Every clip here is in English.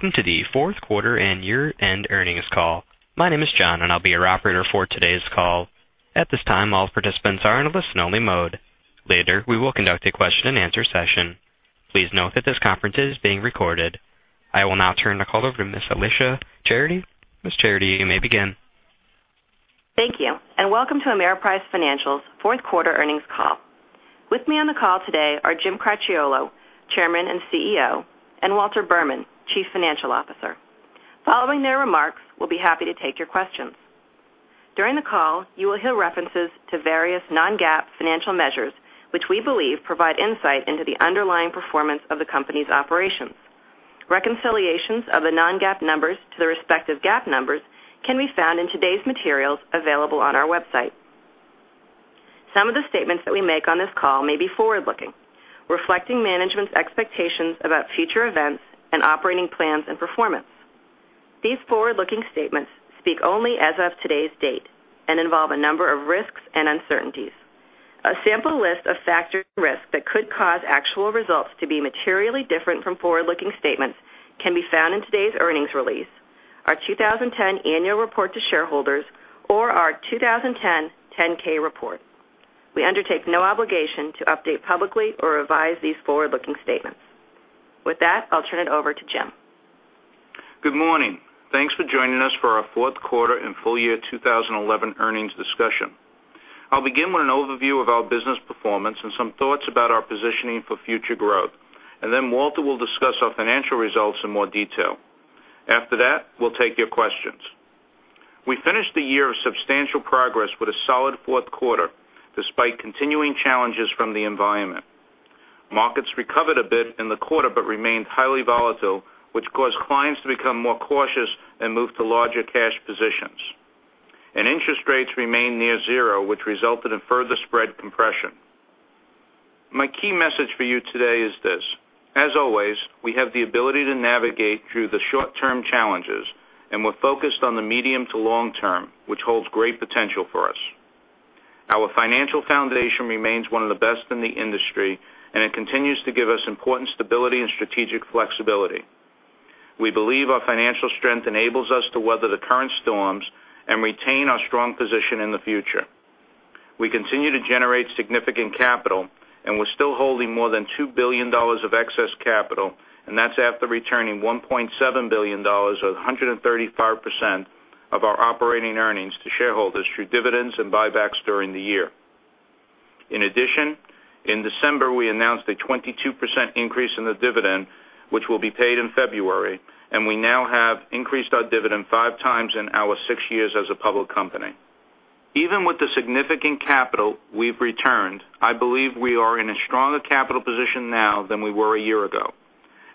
Welcome to the fourth quarter and year-end earnings call. My name is John, and I'll be your operator for today's call. At this time, all participants are in a listen-only mode. Later, we will conduct a question-and-answer session. Please note that this conference is being recorded. I will now turn the call over to Ms. Alicia Charity. Ms. Charity, you may begin. Thank you, welcome to Ameriprise Financial's fourth quarter earnings call. With me on the call today are Jim Cracchiolo, Chairman and CEO, and Walter Berman, Chief Financial Officer. Following their remarks, we'll be happy to take your questions. During the call, you will hear references to various non-GAAP financial measures, which we believe provide insight into the underlying performance of the company's operations. Reconciliations of the non-GAAP numbers to the respective GAAP numbers can be found in today's materials available on our website. Some of the statements that we make on this call may be forward-looking, reflecting management's expectations about future events and operating plans and performance. These forward-looking statements speak only as of today's date and involve a number of risks and uncertainties. A sample list of factors and risks that could cause actual results to be materially different from forward-looking statements can be found in today's earnings release, our 2010 Annual Report to Shareholders, or our 2010 10-K report. We undertake no obligation to update publicly or revise these forward-looking statements. With that, I'll turn it over to Jim. Good morning. Thanks for joining us for our fourth quarter and full year 2011 earnings discussion. I'll begin with an overview of our business performance and some thoughts about our positioning for future growth, and then Walter will discuss our financial results in more detail. After that, we'll take your questions. We finished the year of substantial progress with a solid fourth quarter, despite continuing challenges from the environment. Markets recovered a bit in the quarter but remained highly volatile, which caused clients to become more cautious and move to larger cash positions, and interest rates remained near zero, which resulted in further spread compression. My key message for you today is this. As always, we have the ability to navigate through the short-term challenges, and we're focused on the medium to long term, which holds great potential for us. Our financial foundation remains one of the best in the industry. It continues to give us important stability and strategic flexibility. We believe our financial strength enables us to weather the current storms and retain our strong position in the future. We continue to generate significant capital. We're still holding more than $2 billion of excess capital, and that's after returning $1.7 billion or 135% of our operating earnings to shareholders through dividends and buybacks during the year. In addition, in December, we announced a 22% increase in the dividend, which will be paid in February. We now have increased our dividend five times in our six years as a public company. Even with the significant capital we've returned, I believe we are in a stronger capital position now than we were a year ago.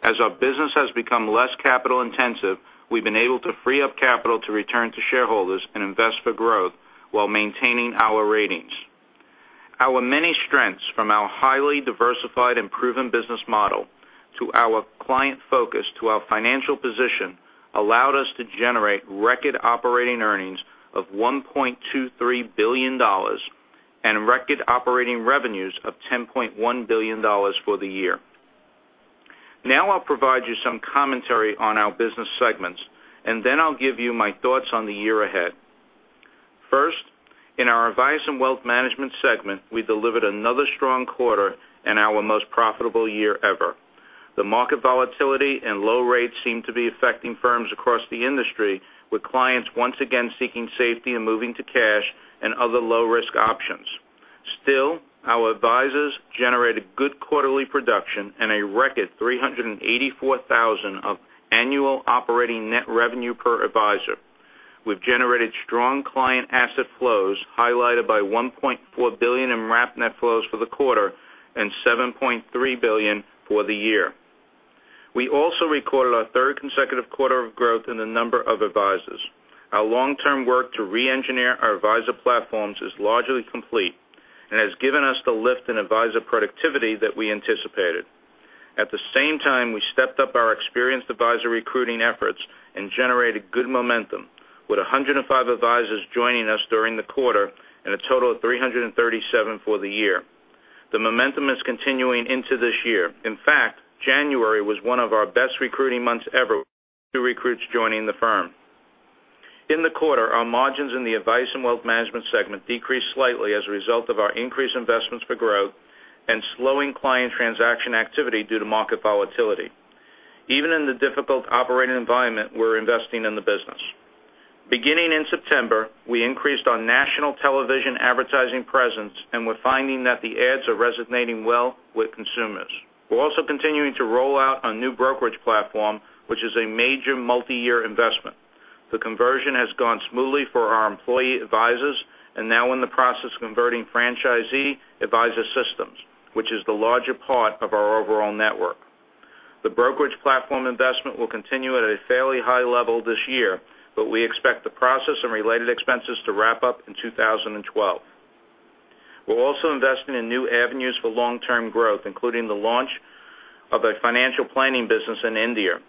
As our business has become less capital-intensive, we've been able to free up capital to return to shareholders and invest for growth while maintaining our ratings. Our many strengths, from our highly diversified and proven business model to our client focus to our financial position, allowed us to generate record operating earnings of $1.23 billion and record operating revenues of $10.1 billion for the year. Now I'll provide you some commentary on our business segments. Then I'll give you my thoughts on the year ahead. First, in our Advice and Wealth Management segment, we delivered another strong quarter and our most profitable year ever. The market volatility and low rates seem to be affecting firms across the industry, with clients once again seeking safety and moving to cash and other low-risk options. Still, our advisors generated good quarterly production and a record $384,000 of annual operating net revenue per advisor. We've generated strong client asset flows, highlighted by $1.4 billion in wrap net flows for the quarter and $7.3 billion for the year. We also recorded our third consecutive quarter of growth in the number of advisors. Our long-term work to re-engineer our advisor platforms is largely complete and has given us the lift in advisor productivity that we anticipated. At the same time, we stepped up our experienced advisor recruiting efforts and generated good momentum with 105 advisors joining us during the quarter and a total of 337 for the year. The momentum is continuing into this year. In fact, January was one of our best recruiting months ever with two recruits joining the firm. In the quarter, our margins in the Advice and Wealth Management segment decreased slightly as a result of our increased investments for growth and slowing client transaction activity due to market volatility. Even in the difficult operating environment, we're investing in the business. Beginning in September, we increased our national television advertising presence. We're finding that the ads are resonating well with consumers. We're also continuing to roll out a new brokerage platform, which is a major multi-year investment. The conversion has gone smoothly for our employee advisors. Now in the process of converting franchisee advisor systems, which is the larger part of our overall network. The brokerage platform investment will continue at a fairly high level this year. We expect the process and related expenses to wrap up in 2012. We're also investing in new avenues for long-term growth, including the launch of a financial planning business in India.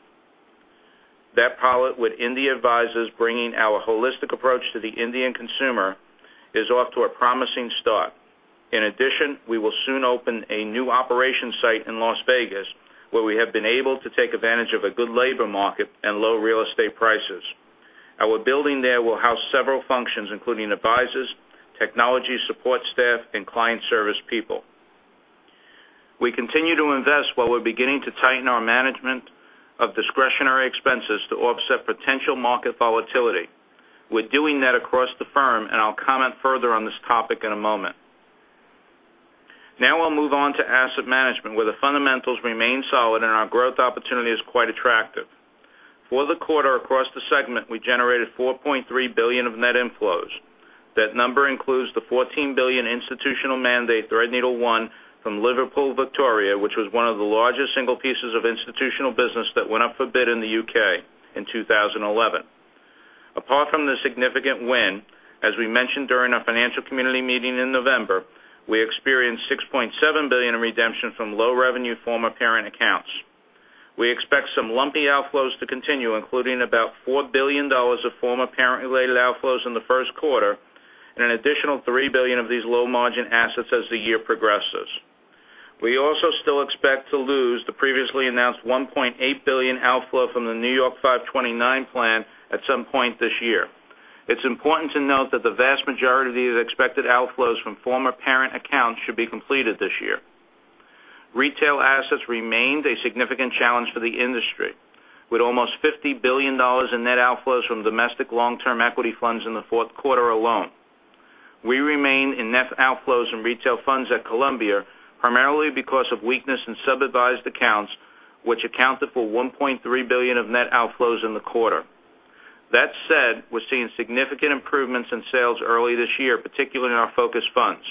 That pilot with India advisors bringing our holistic approach to the Indian consumer is off to a promising start. In addition, we will soon open a new operation site in Las Vegas, where we have been able to take advantage of a good labor market and low real estate prices. Our building there will house several functions, including advisors, technology support staff, and client service people. We continue to invest while we're beginning to tighten our management of discretionary expenses to offset potential market volatility. We're doing that across the firm, and I'll comment further on this topic in a moment. Now I'll move on to asset management, where the fundamentals remain solid and our growth opportunity is quite attractive. For the quarter across the segment, we generated $4.3 billion of net inflows. That number includes the $14 billion institutional mandate Threadneedle won from Liverpool Victoria, which was one of the largest single pieces of institutional business that went up for bid in the U.K. in 2011. Apart from the significant win, as we mentioned during our financial community meeting in November, we experienced $6.7 billion in redemption from low-revenue former parent accounts. We expect some lumpy outflows to continue, including about $4 billion of former parent-related outflows in the first quarter and an additional $3 billion of these low-margin assets as the year progresses. We also still expect to lose the previously announced $1.8 billion outflow from the New York 529 plan at some point this year. It's important to note that the vast majority of the expected outflows from former parent accounts should be completed this year. Retail assets remained a significant challenge for the industry, with almost $50 billion in net outflows from domestic long-term equity funds in the fourth quarter alone. We remain in net outflows from retail funds at Columbia, primarily because of weakness in sub-advised accounts, which accounted for $1.3 billion of net outflows in the quarter. That said, we're seeing significant improvements in sales early this year, particularly in our focus funds.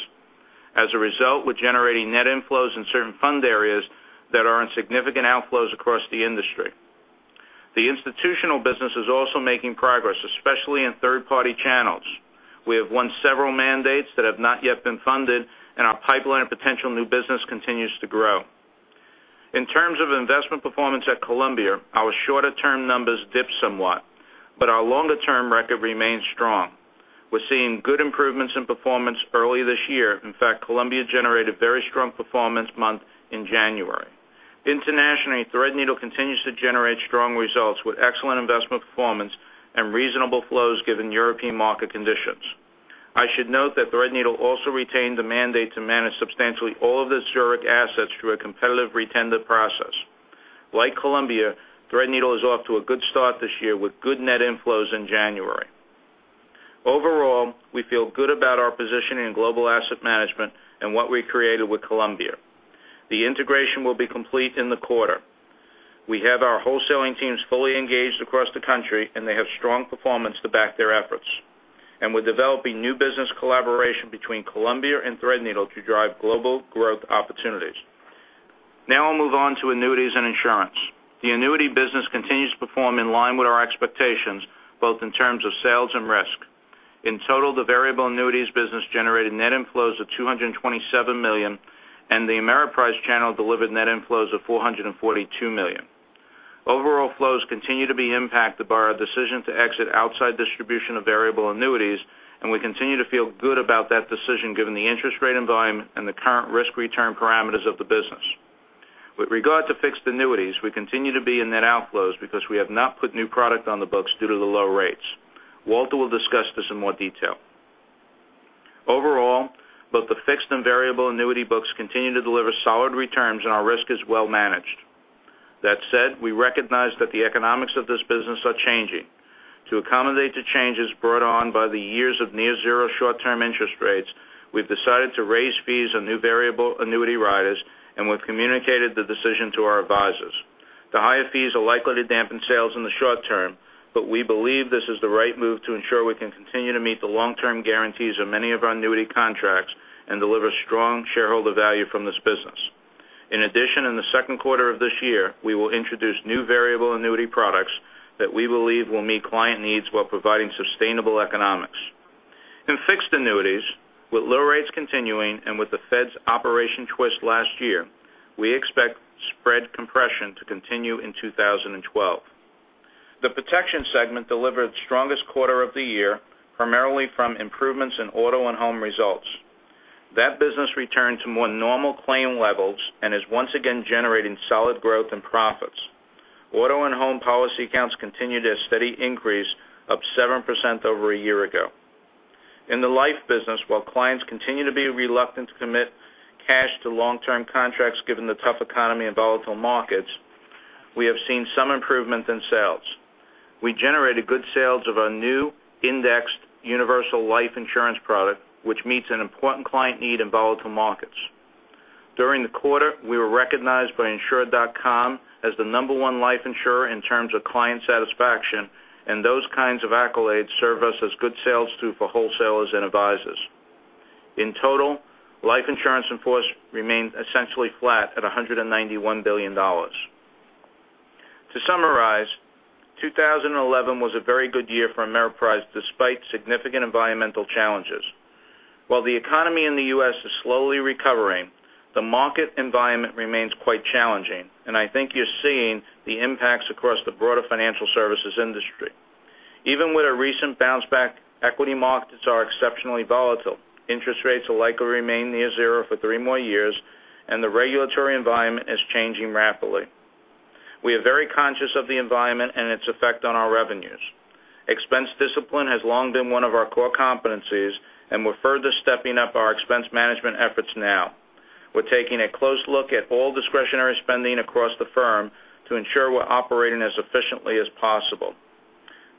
As a result, we're generating net inflows in certain fund areas that are in significant outflows across the industry. The institutional business is also making progress, especially in third-party channels. We have won several mandates that have not yet been funded, and our pipeline of potential new business continues to grow. In terms of investment performance at Columbia, our shorter-term numbers dipped somewhat, but our longer-term record remains strong. We're seeing good improvements in performance early this year. In fact, Columbia generated a very strong performance month in January. Internationally, Threadneedle continues to generate strong results with excellent investment performance and reasonable flows given European market conditions. I should note that Threadneedle also retained the mandate to manage substantially all of its Zurich assets through a competitive re-tender process. Like Columbia, Threadneedle is off to a good start this year with good net inflows in January. Overall, we feel good about our positioning in global asset management and what we created with Columbia. The integration will be complete in the quarter. We have our wholesaling teams fully engaged across the country, and they have strong performance to back their efforts. We're developing new business collaboration between Columbia and Threadneedle to drive global growth opportunities. Now I'll move on to annuities and insurance. The annuity business continues to perform in line with our expectations, both in terms of sales and risk. In total, the variable annuities business generated net inflows of $227 million, and the Ameriprise channel delivered net inflows of $442 million. Overall flows continue to be impacted by our decision to exit outside distribution of variable annuities, and we continue to feel good about that decision given the interest rate environment and the current risk-return parameters of the business. With regard to fixed annuities, we continue to be in net outflows because we have not put new product on the books due to the low rates. Walter will discuss this in more detail. Overall, both the fixed and variable annuity books continue to deliver solid returns, and our risk is well managed. That said, we recognize that the economics of this business are changing. To accommodate the changes brought on by the years of near zero short-term interest rates, we've decided to raise fees on new variable annuity riders. We've communicated the decision to our advisors. The higher fees are likely to dampen sales in the short term, but we believe this is the right move to ensure we can continue to meet the long-term guarantees of many of our annuity contracts and deliver strong shareholder value from this business. In the second quarter of this year, we will introduce new variable annuity products that we believe will meet client needs while providing sustainable economics. In fixed annuities, with low rates continuing and with the Fed's Operation Twist last year, we expect spread compression to continue in 2012. The protection segment delivered the strongest quarter of the year, primarily from improvements in auto and home results. That business returned to more normal claim levels and is once again generating solid growth and profits. Auto and home policy counts continue to steady increase, up 7% over a year ago. In the life business, while clients continue to be reluctant to commit cash to long-term contracts given the tough economy and volatile markets, we have seen some improvement in sales. We generated good sales of our new indexed universal life insurance product, which meets an important client need in volatile markets. During the quarter, we were recognized by Insured.com as the number one life insurer in terms of client satisfaction. Those kinds of accolades serve us as good sales too for wholesalers and advisors. In total, life insurance in force remained essentially flat at $191 billion. To summarize, 2011 was a very good year for Ameriprise despite significant environmental challenges. While the economy in the U.S. is slowly recovering, the market environment remains quite challenging. I think you see financial services industry. Even with a recent bounce back, equity markets are exceptionally volatile. Interest rates will likely remain near zero for three more years. The regulatory environment is changing rapidly. We are very conscious of the environment and its effect on our revenues. Expense discipline has long been one of our core competencies. We're further stepping up our expense management efforts now. We're taking a close look at all discretionary spending across the firm to ensure we're operating as efficiently as possible.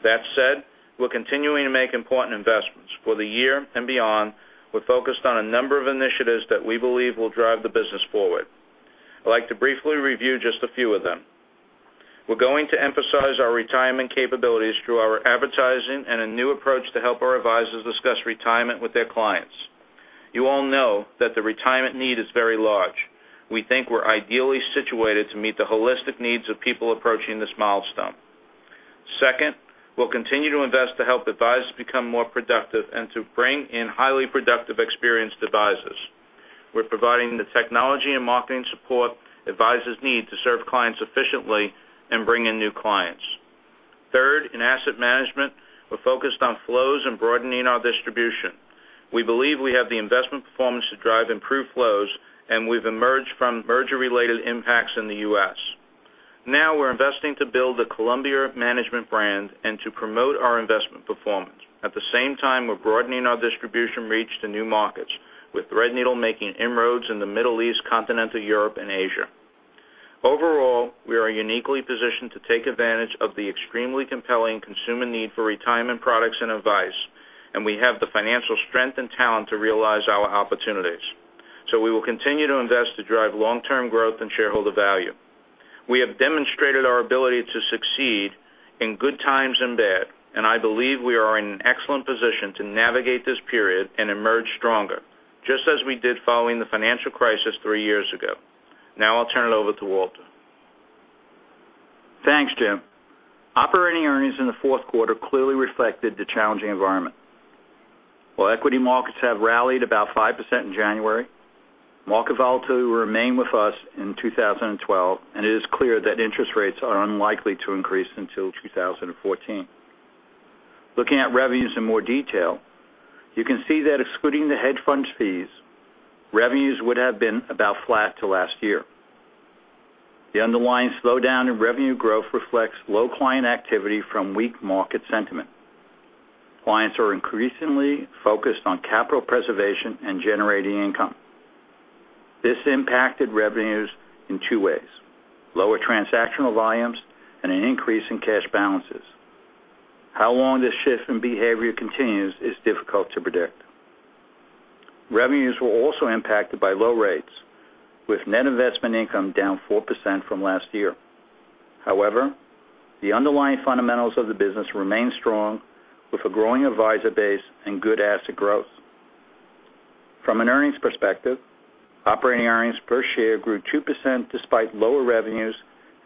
That said, we're continuing to make important investments. For the year and beyond, we're focused on a number of initiatives that we believe will drive the business forward. I'd like to briefly review just a few of them. We're going to emphasize our retirement capabilities through our advertising and a new approach to help our advisors discuss retirement with their clients. You all know that the retirement need is very large. We think we're ideally situated to meet the holistic needs of people approaching this milestone. Second, we'll continue to invest to help advisors become more productive and to bring in highly productive experienced advisors. We're providing the technology and marketing support advisors need to serve clients efficiently and bring in new clients. Third, in asset management, we're focused on flows and broadening our distribution. We believe we have the investment performance to drive improved flows, and we've emerged from merger-related impacts in the U.S. Now we're investing to build the Columbia Management brand and to promote our investment performance. At the same time, we're broadening our distribution reach to new markets with Threadneedle making inroads in the Middle East, Continental Europe, and Asia. Overall, we are uniquely positioned to take advantage of the extremely compelling consumer need for retirement products and advice, and we have the financial strength and talent to realize our opportunities. We will continue to invest to drive long-term growth and shareholder value. We have demonstrated our ability to succeed in good times and bad, and I believe we are in an excellent position to navigate this period and emerge stronger, just as we did following the financial crisis three years ago. Now I'll turn it over to Walter. Thanks, Jim. Operating earnings in the fourth quarter clearly reflected the challenging environment. While equity markets have rallied about 5% in January, market volatility will remain with us in 2012, and it is clear that interest rates are unlikely to increase until 2014. Looking at revenues in more detail, you can see that excluding the hedge fund fees, revenues would have been about flat to last year. The underlying slowdown in revenue growth reflects low client activity from weak market sentiment. Clients are increasingly focused on capital preservation and generating income. This impacted revenues in two ways. Lower transactional volumes and an increase in cash balances. How long this shift in behavior continues is difficult to predict. Revenues were also impacted by low rates, with net investment income down 4% from last year. The underlying fundamentals of the business remain strong with a growing advisor base and good asset growth. From an earnings perspective, operating earnings per share grew 2% despite lower revenues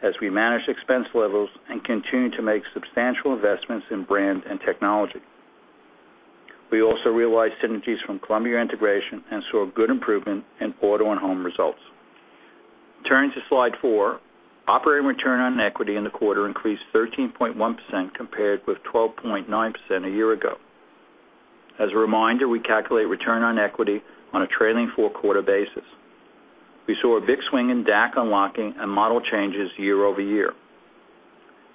as we managed expense levels and continued to make substantial investments in brand and technology. We also realized synergies from Columbia integration and saw good improvement in auto and home results. Turning to slide four, operating return on equity in the quarter increased 13.1% compared with 12.9% a year ago. As a reminder, we calculate return on equity on a trailing four-quarter basis. We saw a big swing in DAC unlocking and model changes year-over-year.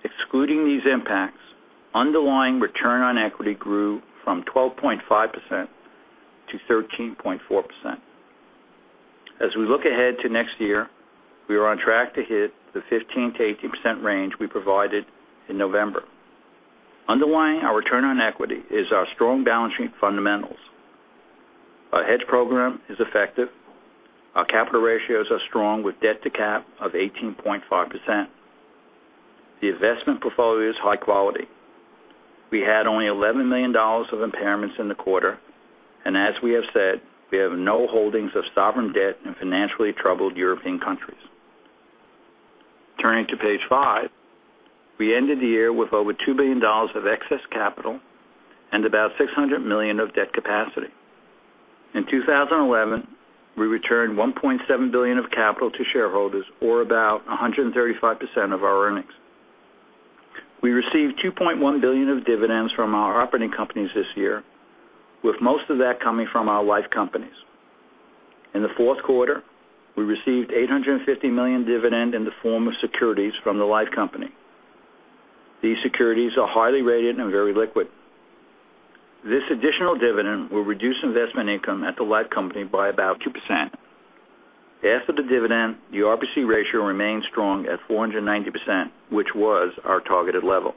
Excluding these impacts, underlying return on equity grew from 12.5% to 13.4%. As we look ahead to next year, we are on track to hit the 15%-18% range we provided in November. Underlying our return on equity is our strong balance sheet fundamentals. Our hedge program is effective. Our capital ratios are strong with debt to cap of 18.5%. The investment portfolio is high quality. We had only $11 million of impairments in the quarter. As we have said, we have no holdings of sovereign debt in financially troubled European countries. Turning to page 5, we ended the year with over $2 billion of excess capital and about $600 million of debt capacity. In 2011, we returned $1.7 billion of capital to shareholders or about 135% of our earnings. We received $2.1 billion of dividends from our operating companies this year, with most of that coming from our life companies. In the Q4, we received $850 million dividend in the form of securities from the life company. These securities are highly rated and very liquid. This additional dividend will reduce investment income at the life company by about 2%. After the dividend, the RBC ratio remained strong at 490%, which was our targeted level.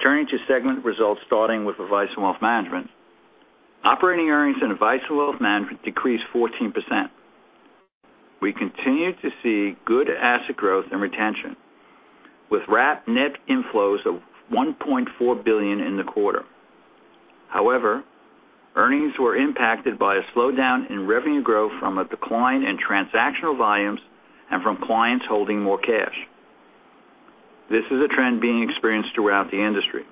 Turning to segment results starting with Advice and Wealth Management. Operating earnings in Advice and Wealth Management decreased 14%. We continued to see good asset growth and retention, with wrap net inflows of $1.4 billion in the quarter. Earnings were impacted by a slowdown in revenue growth from a decline in transactional volumes and from clients holding more cash. This is a trend being experienced throughout the industry.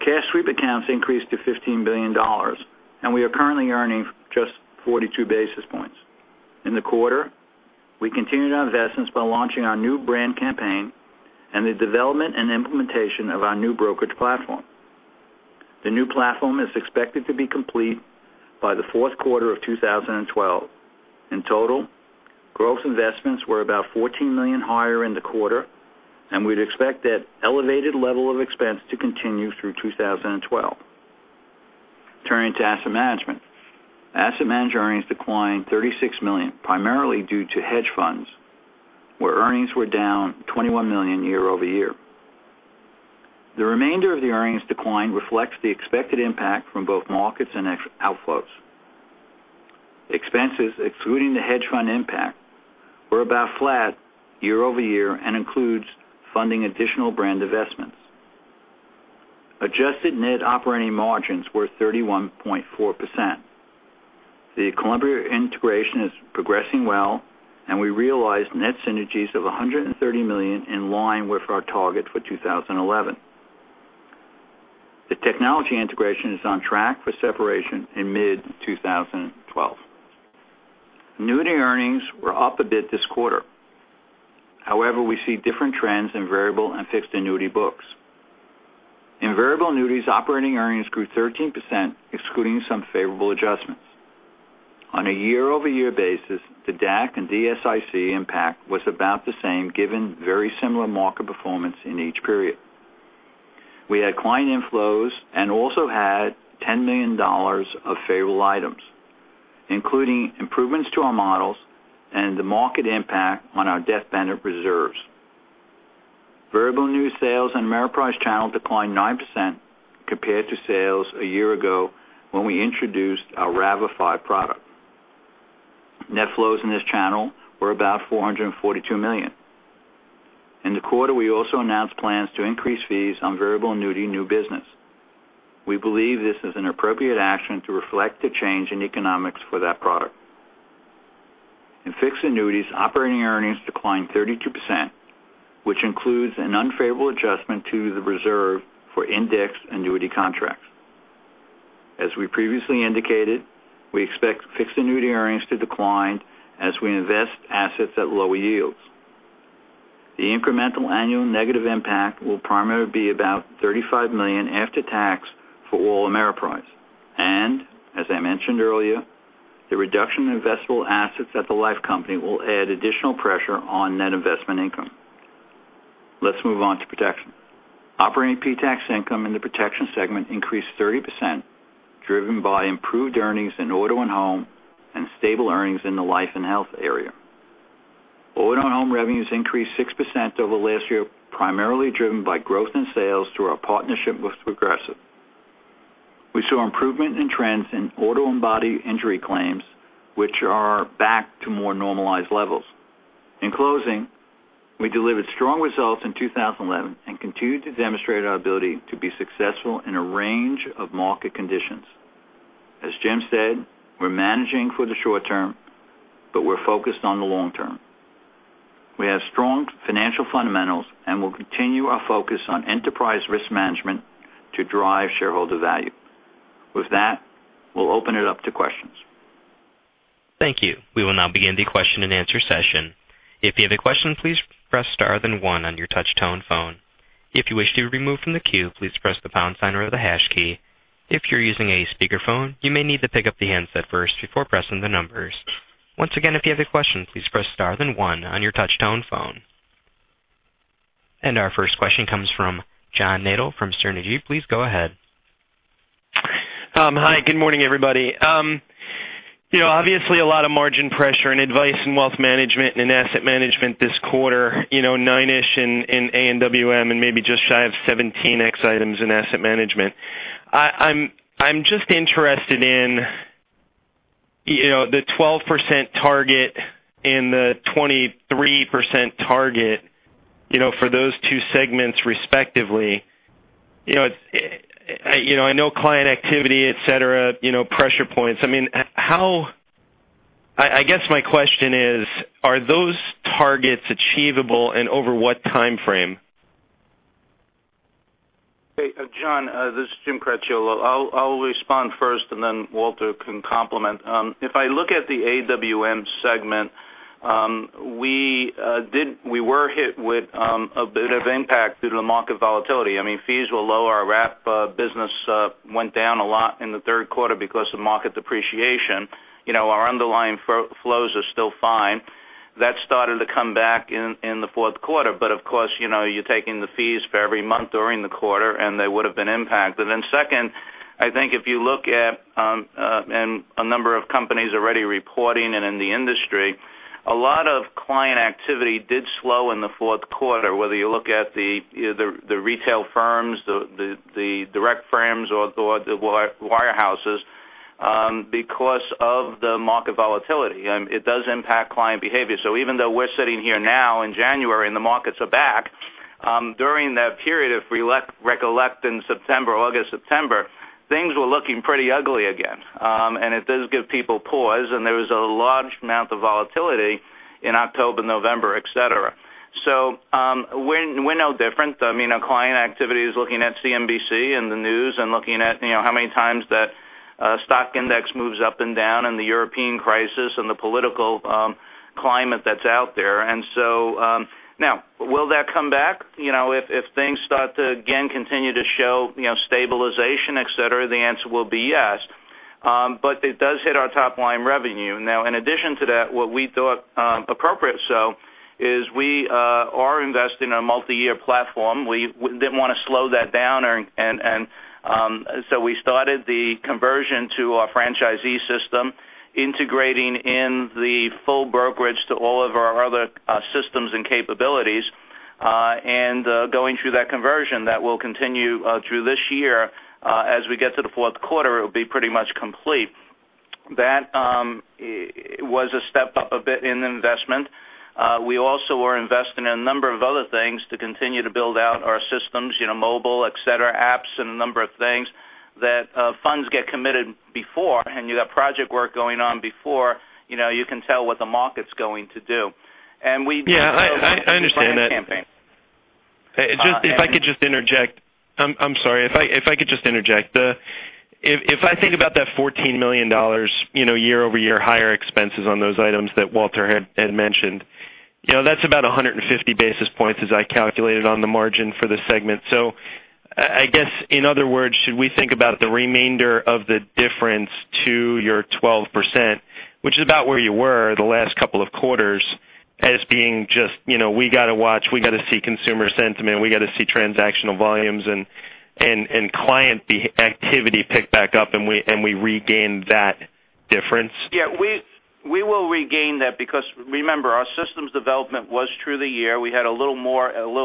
Cash sweep accounts increased to $15 billion, we are currently earning just 42 basis points. In the quarter, we continued our investments by launching our new brand campaign and the development and implementation of our new brokerage platform. The new platform is expected to be complete by the Q4 of 2012. In total, gross investments were about $14 million higher in the quarter, we'd expect that elevated level of expense to continue through 2012. Turning to asset management. Asset management earnings declined $36 million, primarily due to hedge funds, where earnings were down $21 million year-over-year. The remainder of the earnings decline reflects the expected impact from both markets and outflows. Expenses, excluding the hedge fund impact, were about flat year-over-year and includes funding additional brand investments. Adjusted net operating margins were 31.4%. The Columbia integration is progressing well, we realized net synergies of $130 million, in line with our target for 2011. The technology integration is on track for separation in mid-2012. Annuity earnings were up a bit this quarter. We see different trends in variable and fixed annuity books. In variable annuities, operating earnings grew 13%, excluding some favorable adjustments. On a year-over-year basis, the DAC and DSIC impact was about the same, given very similar market performance in each period. We had client inflows also had $10 million of favorable items, including improvements to our models and the market impact on our death benefit reserves. Variable new sales in Ameriprise channel declined 9% compared to sales a year ago when we introduced our RAVA 5 product. Net flows in this channel were about $442 million. In the quarter, we also announced plans to increase fees on variable annuity new business. We believe this is an appropriate action to reflect the change in economics for that product. In fixed annuities, operating earnings declined 32%, which includes an unfavorable adjustment to the reserve for indexed annuity contracts. As we previously indicated, we expect fixed annuity earnings to decline as we invest assets at lower yields. The incremental annual negative impact will primarily be about $35 million after tax for all Ameriprise. As I mentioned earlier, the reduction in investable assets at the life company will add additional pressure on net investment income. Let's move on to Protection. Operating pretax income in the Protection segment increased 30%, driven by improved earnings in auto and home and stable earnings in the life and health area. Auto and home revenues increased 6% over last year, primarily driven by growth in sales through our partnership with Progressive. We saw improvement in trends in auto and bodily injury claims, which are back to more normalized levels. In closing, we delivered strong results in 2011 and continued to demonstrate our ability to be successful in a range of market conditions. As Jim said, we're managing for the short term, but we're focused on the long term. We have strong financial fundamentals and will continue our focus on enterprise risk management to drive shareholder value. With that, we'll open it up to questions. Thank you. We will now begin the question-and-answer session. If you have a question, please press star then one on your touch-tone phone. If you wish to remove from the queue, please press the pound sign or the hash key. If you're using a speakerphone, you may need to pick up the handset first before pressing the numbers. Once again, if you have a question, please press star then one on your touch-tone phone. Our first question comes from John Nadel from Sterne Agee. Please go ahead. Hi, good morning, everybody. Obviously, a lot of margin pressure in Advice and Wealth Management and Asset Management this quarter, 9-ish in AWM and maybe just shy of 17x items in Asset Management. I'm just interested in the 12% target and the 23% target for those two segments respectively. I know client activity, et cetera, pressure points. I guess my question is, are those targets achievable and over what timeframe? Hey, John, this is Jim Cracchiolo. I'll respond first, and then Walter can complement. If I look at the AWM segment, we were hit with a bit of impact due to the market volatility. Fees were lower. Our wrap business went down a lot in the third quarter because of market depreciation. Our underlying flows are still fine. That started to come back in the fourth quarter. Of course, you're taking the fees for every month during the quarter, and they would have been impacted. Second, I think if you look at a number of companies already reporting and in the industry, a lot of client activity did slow in the fourth quarter, whether you look at the retail firms, the direct firms, or the wirehouses because of the market volatility. It does impact client behavior. Even though we're sitting here now in January and the markets are back, during that period, if we recollect in August, September, things were looking pretty ugly again. It does give people pause, and there was a large amount of volatility in October, November, et cetera. We're no different. Our client activity is looking at CNBC and the news and looking at how many times that stock index moves up and down, and the European crisis and the political climate that's out there. Now, will that come back? If things start to, again, continue to show stabilization, et cetera, the answer will be yes. It does hit our top-line revenue. Now, in addition to that, what we thought appropriate, we are investing in a multi-year platform. We didn't want to slow that down, we started the conversion to a franchisee system, integrating in the full brokerage to all of our other systems and capabilities, and going through that conversion that will continue through this year. As we get to the fourth quarter, it will be pretty much complete. That was a step up a bit in investment. We also were investing in a number of other things to continue to build out our systems, mobile, et cetera, apps, and a number of things that funds get committed before, and you got project work going on before you can tell what the market's going to do. Yeah, I understand that. If I could just interject. I'm sorry. If I could just interject. If I think about that $14 million year-over-year higher expenses on those items that Walter had mentioned, that's about 150 basis points as I calculated on the margin for the segment. I guess, in other words, should we think about the remainder of the difference to your 12%, which is about where you were the last couple of quarters, as being just, we got to watch, we got to see consumer sentiment, we got to see transactional volumes and client activity pick back up, we regain that difference? Yeah. We will regain that because remember, our systems development was through the year. We had a little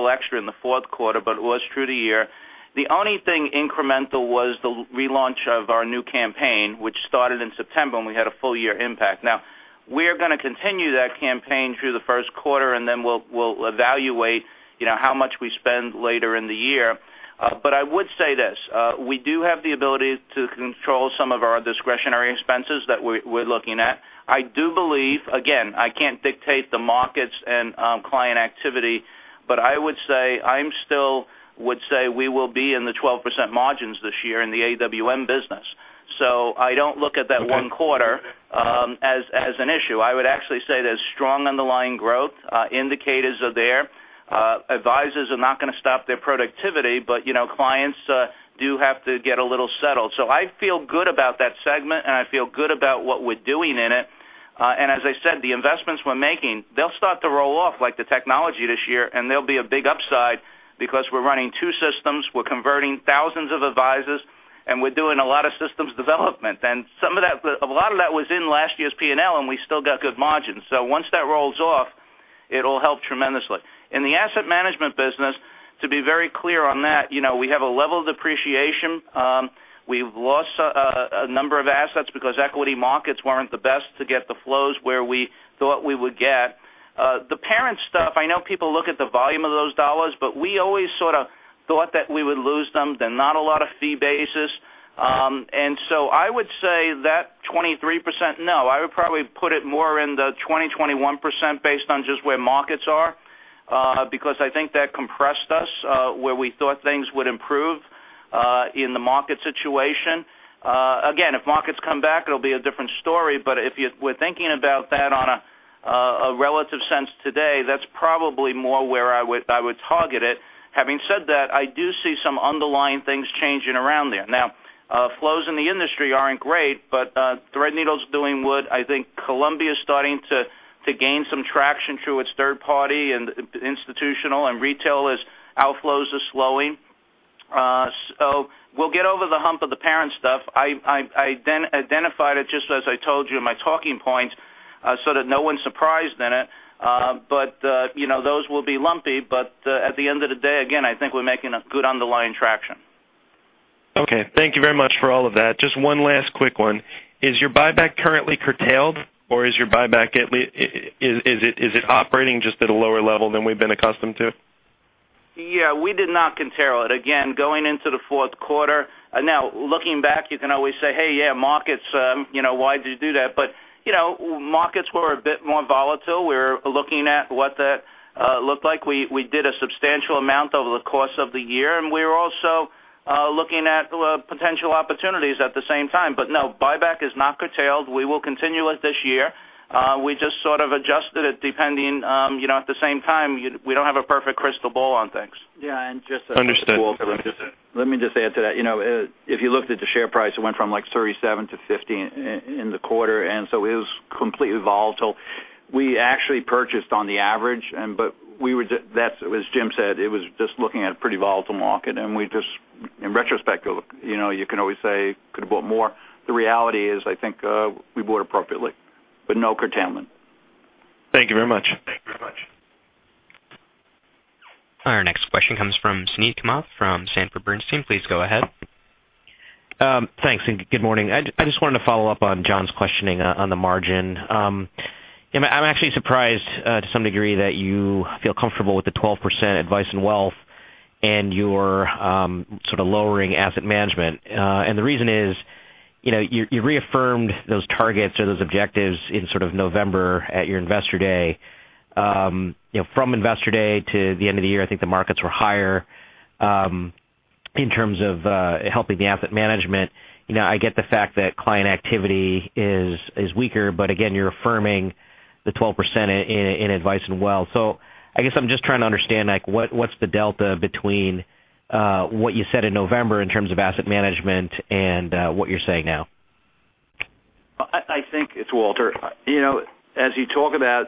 extra in the fourth quarter, but it was through the year. The only thing incremental was the relaunch of our new campaign, which started in September, we had a full year impact. We are going to continue that campaign through the first quarter, then we'll evaluate how much we spend later in the year. I would say this, we do have the ability to control some of our discretionary expenses that we're looking at. I do believe, again, I can't dictate the markets and client activity, but I would say I still would say we will be in the 12% margins this year in the AWM business. I don't look at that one quarter as an issue. I would actually say there's strong underlying growth. Indicators are there. Advisors are not going to stop their productivity, clients do have to get a little settled. I feel good about that segment, I feel good about what we're doing in it. As I said, the investments we're making, they'll start to roll off like the technology this year, there'll be a big upside because we're running two systems, we're converting thousands of advisors, we're doing a lot of systems development. A lot of that was in last year's P&L, we still got good margins. Once that rolls off, it'll help tremendously. In the asset management business, to be very clear on that, we have a level of depreciation. We've lost a number of assets because equity markets weren't the best to get the flows where we thought we would get. The parent stuff, I know people look at the volume of those dollars, we always sort of thought that we would lose them. They're not a lot of fee basis. I would say that 23%, no, I would probably put it more in the 20, 21% based on just where markets are, because I think that compressed us, where we thought things would improve in the market situation. Again, if markets come back, it'll be a different story. If we're thinking about that on a relative sense today, that's probably more where I would target it. Having said that, I do see some underlying things changing around there. Now, flows in the industry aren't great, but Threadneedle is doing well. I think Columbia is starting to gain some traction through its third party institutional, retail outflows are slowing. We'll get over the hump of the parent stuff. I identified it just as I told you in my talking points, so that no one's surprised in it. Those will be lumpy, but at the end of the day, again, I think we're making a good underlying traction. Thank you very much for all of that. Just one last quick one. Is your buyback currently curtailed, or is your buyback operating just at a lower level than we've been accustomed to? We did not curtail it. Going into the fourth quarter. Looking back, you can always say, "Hey, yeah, markets, why'd you do that?" Markets were a bit more volatile. We're looking at what that looked like. We did a substantial amount over the course of the year, and we were also looking at potential opportunities at the same time. No, buyback is not curtailed. We will continue it this year. We just sort of adjusted it depending, at the same time, we don't have a perfect crystal ball on things. Yeah, and just to- Understood let me just add to that. If you looked at the share price, it went from like 37 to 50 in the quarter. It was completely volatile. We actually purchased on the average. As Jim said, it was just looking at a pretty volatile market. In retrospect, you can always say, could have bought more. The reality is, I think we bought appropriately. No curtailment. Thank you very much. Thank you very much. Our next question comes from Suneet Kamath from Sanford Bernstein. Please go ahead. Thanks, good morning. I just wanted to follow up on John's questioning on the margin. I'm actually surprised to some degree that you feel comfortable with the 12% Advice and Wealth. You're sort of lowering asset management. The reason is, you reaffirmed those targets or those objectives in November at your Investor Day. From Investor Day to the end of the year, I think the markets were higher in terms of helping the asset management. I get the fact that client activity is weaker, but again you're affirming the 12% in Advice and Wealth. I guess I'm just trying to understand what's the delta between what you said in November in terms of asset management and what you're saying now? It's Walter. You talk about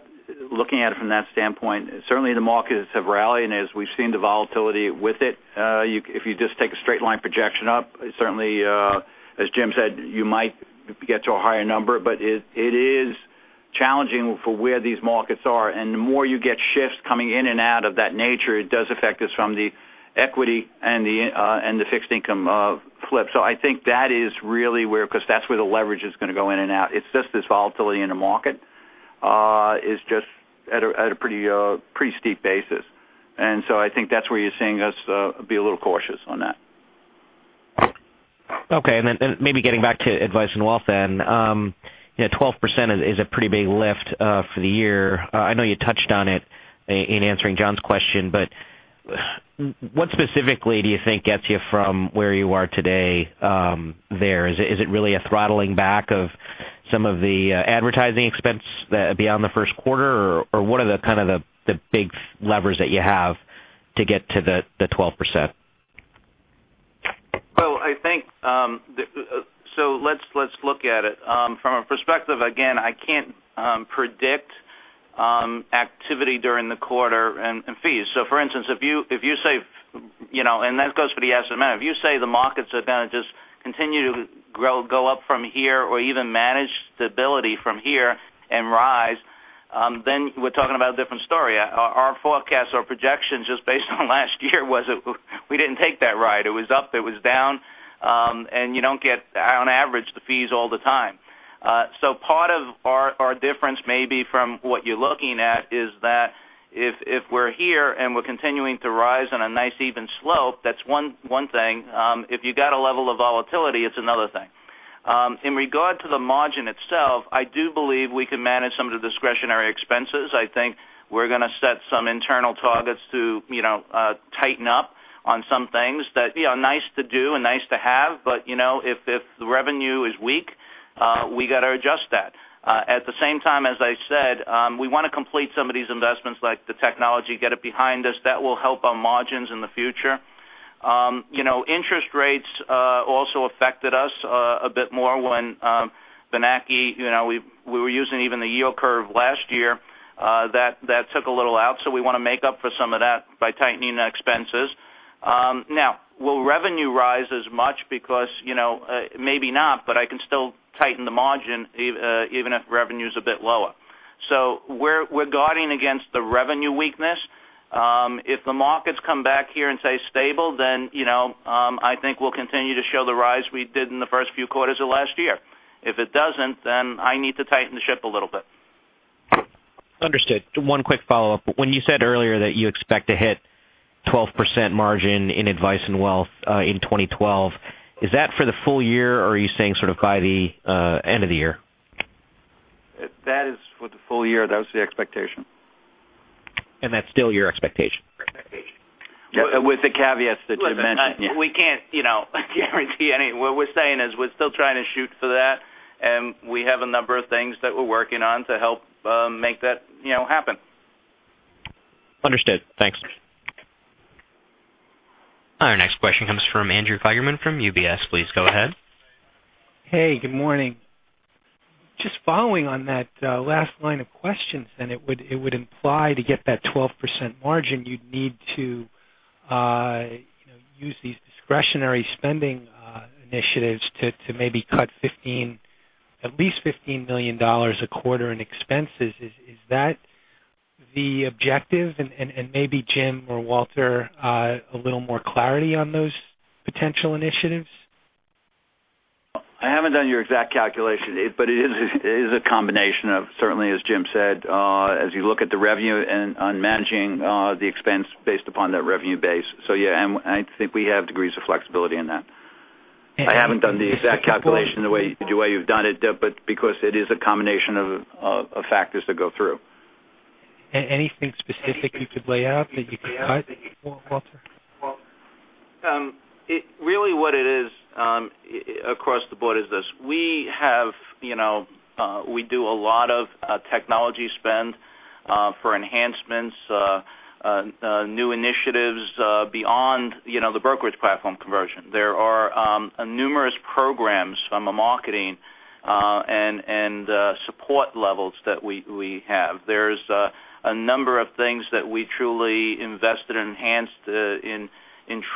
looking at it from that standpoint, certainly the markets have rallied, and as we've seen the volatility with it. If you just take a straight line projection up, certainly, as Jim said, you might get to a higher number. It is challenging for where these markets are. The more you get shifts coming in and out of that nature, it does affect us from the equity and the fixed income flip. I think that is really where, because that's where the leverage is going to go in and out. It's just this volatility in the market is just at a pretty steep basis. I think that's where you're seeing us be a little cautious on that. Okay, maybe getting back to Advice and Wealth then. 12% is a pretty big lift for the year. I know you touched on it in answering John's question, but what specifically do you think gets you from where you are today there? Is it really a throttling back of some of the advertising expense beyond the first quarter? Or what are the big levers that you have to get to the 12%? Let's look at it. From a perspective, again, I can't predict activity during the quarter and fees. For instance, that goes for the asset amount. If you say the markets are going to just continue to go up from here or even manage stability from here and rise, then we're talking about a different story. Our forecast or projection just based on last year was we didn't take that ride. It was up, it was down, and you don't get, on average, the fees all the time. Part of our difference maybe from what you're looking at is that if we're here and we're continuing to rise on a nice even slope, that's one thing. If you got a level of volatility, it's another thing. In regard to the margin itself, I do believe we can manage some of the discretionary expenses. I think we're going to set some internal targets to tighten up on some things that are nice to do and nice to have, but if the revenue is weak, we got to adjust that. At the same time, as I said, we want to complete some of these investments, like the technology, get it behind us. That will help our margins in the future. Interest rates also affected us a bit more when the NII, we were using even the yield curve last year. That took a little out, we want to make up for some of that by tightening the expenses. Will revenue rise as much because maybe not, but I can still tighten the margin even if revenue's a bit lower. We're guarding against the revenue weakness. If the markets come back here and stay stable, I think we'll continue to show the rise we did in the first few quarters of last year. If it doesn't, I need to tighten the ship a little bit. Understood. One quick follow-up. When you said earlier that you expect to hit 12% margin in Advice and Wealth in 2012, is that for the full year or are you saying sort of by the end of the year? That is for the full year. That was the expectation. That's still your expectation? With the caveats that you mentioned. We can't guarantee any. What we're saying is we're still trying to shoot for that, and we have a number of things that we're working on to help make that happen. Understood. Thanks. Our next question comes from Andrew Kligerman from UBS. Please go ahead. Hey, good morning. Just following on that last line of questions, it would imply to get that 12% margin, you'd need to use these discretionary spending initiatives to maybe cut at least $15 million a quarter in expenses. Is that the objective? And maybe Jim or Walter, a little more clarity on those potential initiatives? I haven't done your exact calculation, it is a combination of, certainly as Jim said, as you look at the revenue and on managing the expense based upon that revenue base. Yeah, and I think we have degrees of flexibility in that. I haven't done the exact calculation the way you've done it, because it is a combination of factors that go through. Anything specific you could lay out that you could cut, Walter? Really what it is across the board is this. We do a lot of technology spend for enhancements, new initiatives beyond the brokerage platform conversion. There are numerous programs from a marketing and support levels that we have. There's a number of things that we truly invested, enhanced in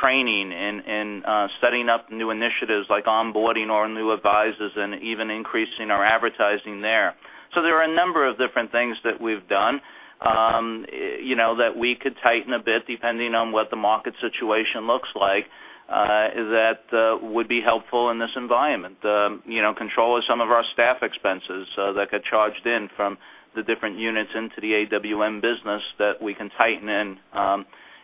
training and setting up new initiatives like onboarding our new advisors and even increasing our advertising there. There are a number of different things that we've done that we could tighten a bit depending on what the market situation looks like. That would be helpful in this environment. Control of some of our staff expenses that get charged in from the different units into the AWM business that we can tighten in.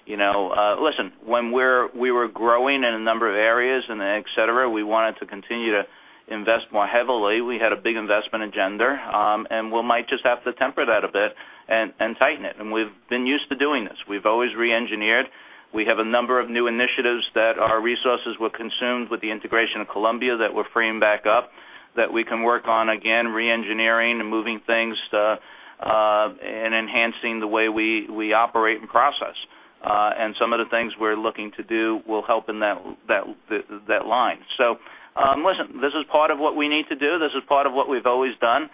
Listen, when we were growing in a number of areas and et cetera, we wanted to continue to invest more heavily. We had a big investment in general, we might just have to temper that a bit and tighten it. We've been used to doing this. We've always re-engineered. We have a number of new initiatives that our resources were consumed with the integration of Columbia that we're freeing back up that we can work on, again, re-engineering and moving things, enhancing the way we operate and process. Some of the things we're looking to do will help in that line. Listen, this is part of what we need to do. This is part of what we've always done.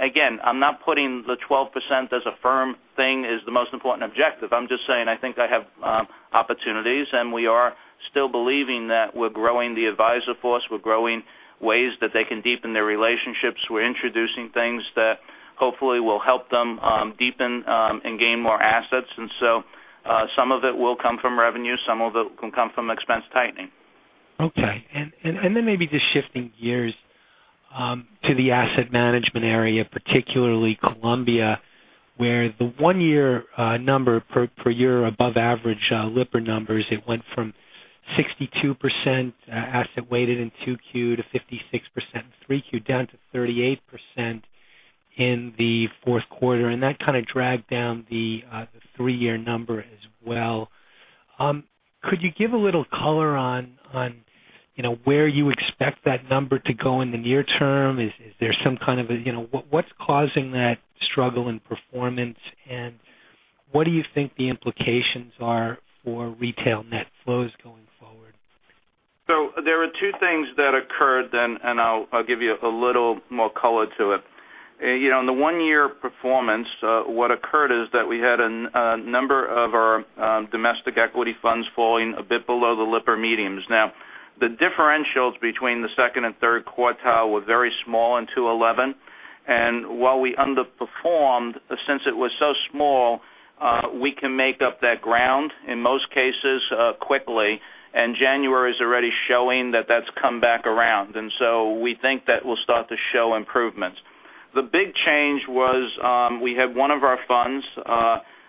Again, I'm not putting the 12% as a firm thing as the most important objective. I'm just saying I think I have opportunities, we are still believing that we're growing the advisor force. We're growing ways that they can deepen their relationships. We're introducing things that hopefully will help them deepen and gain more assets. Some of it will come from revenue, some of it can come from expense tightening. Okay. Maybe just shifting gears to the asset management area, particularly Columbia, where the one-year number per year above average Lipper numbers, it went from 62% asset weighted in 2Q to 56% in 3Q, down to 38% in the fourth quarter. That kind of dragged down the three-year number as well. Could you give a little color on where you expect that number to go in the near term? What's causing that struggle in performance, what do you think the implications are for retail net flows going forward? There are two things that occurred then, I'll give you a little more color to it. In the one-year performance, what occurred is that we had a number of our domestic equity funds falling a bit below the Lipper medians. The differentials between the second and third quartile were very small in 2011. While we underperformed, since it was so small, we can make up that ground in most cases quickly, January is already showing that that's come back around. We think that we'll start to show improvements. The big change was we had one of our funds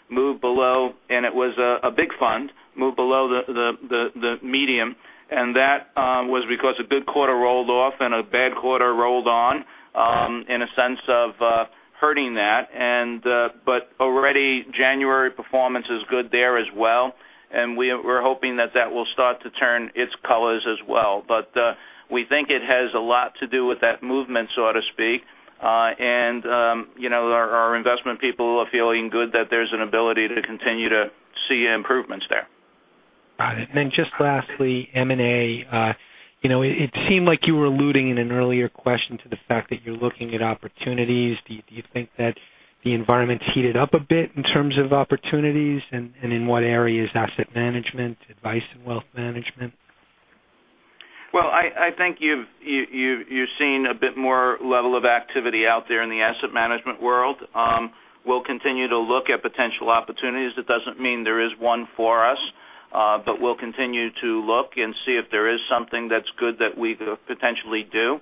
move below, it was a big fund, move below the medium. That was because a good quarter rolled off and a bad quarter rolled on in a sense of hurting that. Already January performance is good there as well, we're hoping that that will start to turn its colors as well. We think it has a lot to do with that movement, so to speak. Our investment people are feeling good that there's an ability to continue to see improvements there. Got it. Just lastly, M&A. It seemed like you were alluding in an earlier question to the fact that you're looking at opportunities. Do you think that the environment's heated up a bit in terms of opportunities, and in what areas? Asset management, Advice and Wealth Management? Well, I think you've seen a bit more level of activity out there in the asset management world. We'll continue to look at potential opportunities. That doesn't mean there is one for us, but we'll continue to look and see if there is something that's good that we could potentially do.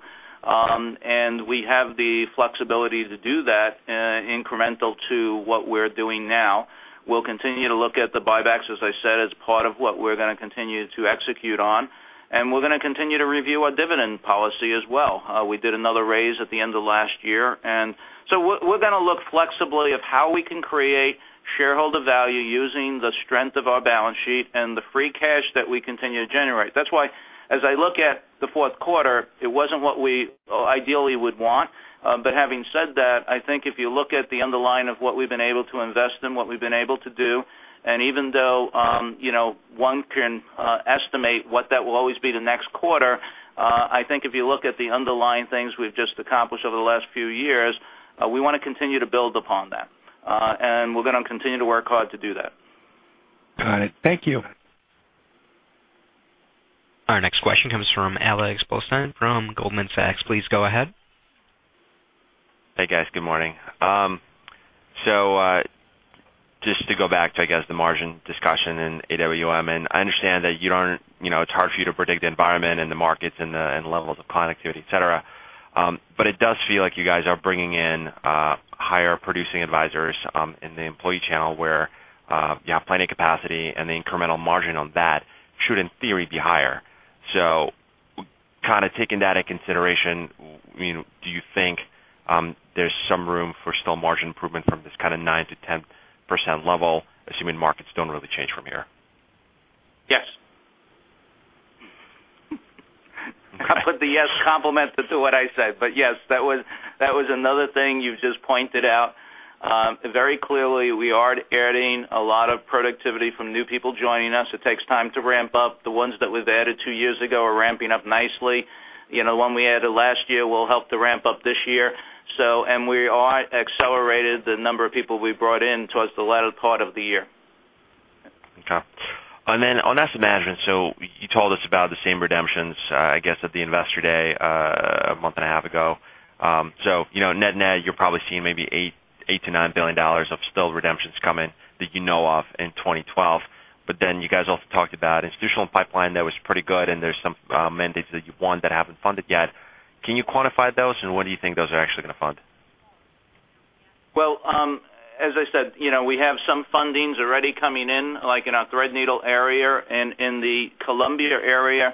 We have the flexibility to do that incremental to what we're doing now. We'll continue to look at the buybacks, as I said, as part of what we're going to continue to execute on, we're going to continue to review our dividend policy as well. We did another raise at the end of last year. We're going to look flexibly of how we can create shareholder value using the strength of our balance sheet and the free cash that we continue to generate. That's why, as I look at the fourth quarter, it wasn't what we ideally would want. Having said that, I think if you look at the underlying of what we've been able to invest in, what we've been able to do, and even though one can estimate what that will always be the next quarter, I think if you look at the underlying things we've just accomplished over the last few years, we want to continue to build upon that. We're going to continue to work hard to do that. Got it. Thank you. Our next question comes from Alex Blostein from Goldman Sachs. Please go ahead. Hey, guys. Good morning. Just to go back to, I guess, the margin discussion in AWM, and I understand that it's hard for you to predict the environment and the markets and the levels of connectivity, et cetera. It does feel like you guys are bringing in higher producing advisors in the employee channel where you have plenty of capacity, and the incremental margin on that should, in theory, be higher. Taking that into consideration, do you think there's some room for still margin improvement from this kind of 9%-10% level, assuming markets don't really change from here? Yes. I put the yes complement to what I said, but yes, that was another thing you've just pointed out. Very clearly, we are adding a lot of productivity from new people joining us. It takes time to ramp up. The ones that we've added two years ago are ramping up nicely. The one we added last year will help to ramp up this year. We accelerated the number of people we brought in towards the latter part of the year. Okay. On asset management, you told us about the same redemptions, I guess, at the investor day a month and a half ago. Net-net, you're probably seeing maybe $8 billion-$9 billion of still redemptions coming that you know of in 2012. You guys also talked about institutional pipeline that was pretty good, and there's some mandates that you won that haven't funded yet. Can you quantify those? What do you think those are actually going to fund? As I said, we have some fundings already coming in, like in our Threadneedle area and in the Columbia area.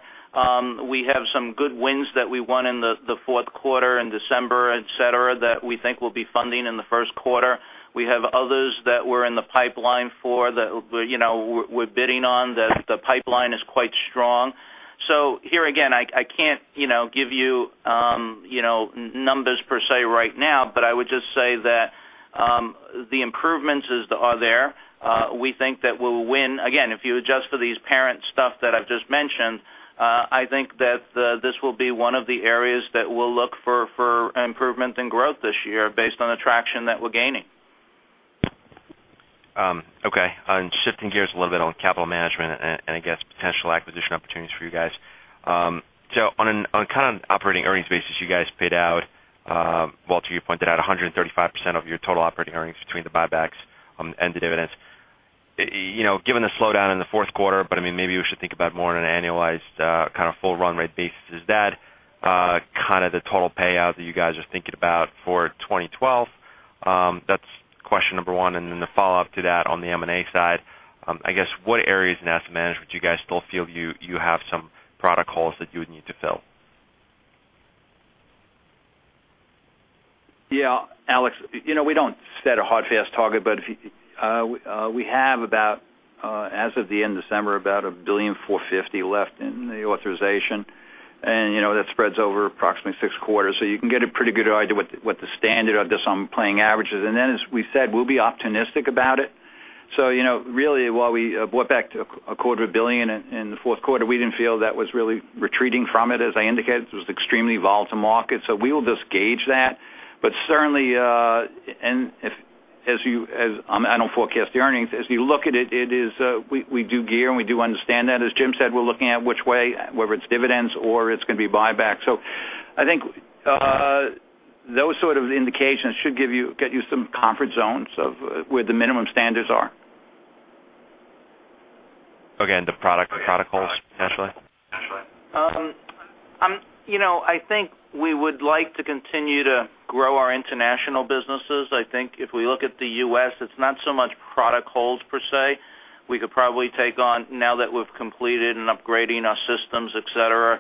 We have some good wins that we won in the fourth quarter in December, et cetera, that we think will be funding in the first quarter. We have others that we're in the pipeline for, that we're bidding on. The pipeline is quite strong. Here again, I can't give you numbers per se right now, but I would just say that the improvements are there. We think that we'll win. Again, if you adjust for these parent stuff that I've just mentioned, I think that this will be one of the areas that we'll look for improvement and growth this year based on the traction that we're gaining. Okay. Shifting gears a little bit on capital management and I guess potential acquisition opportunities for you guys. On a kind of operating earnings basis, you guys paid out, Walter, you pointed out 135% of your total operating earnings between the buybacks and the dividends. Given the slowdown in the fourth quarter, maybe we should think about more on an annualized kind of full run rate basis. Is that kind of the total payout that you guys are thinking about for 2012? That's question number one, the follow-up to that on the M&A side, I guess what areas in asset management do you guys still feel you have some product holes that you would need to fill? Yeah. Alex, we don't set a hard, fast target, but we have about, as of the end of December, about $1.45 billion left in the authorization, and that spreads over approximately six quarters. You can get a pretty good idea what the standard of this on playing averages is. As we said, we'll be optimistic about it. Really, while we bought back a quarter of a billion in the fourth quarter, we didn't feel that was really retreating from it, as I indicated. It was an extremely volatile market. We will just gauge that. Certainly, I don't forecast the earnings, as you look at it, we do gear, and we do understand that. As Jim said, we're looking at which way, whether it's dividends or it's going to be buybacks. I think those sort of indications should get you some comfort zones of where the minimum standards are. Okay, the product holes, potentially? I think we would like to continue to grow our international businesses. I think if we look at the U.S., it's not so much product holes per se. We could probably take on, now that we've completed and upgrading our systems, et cetera,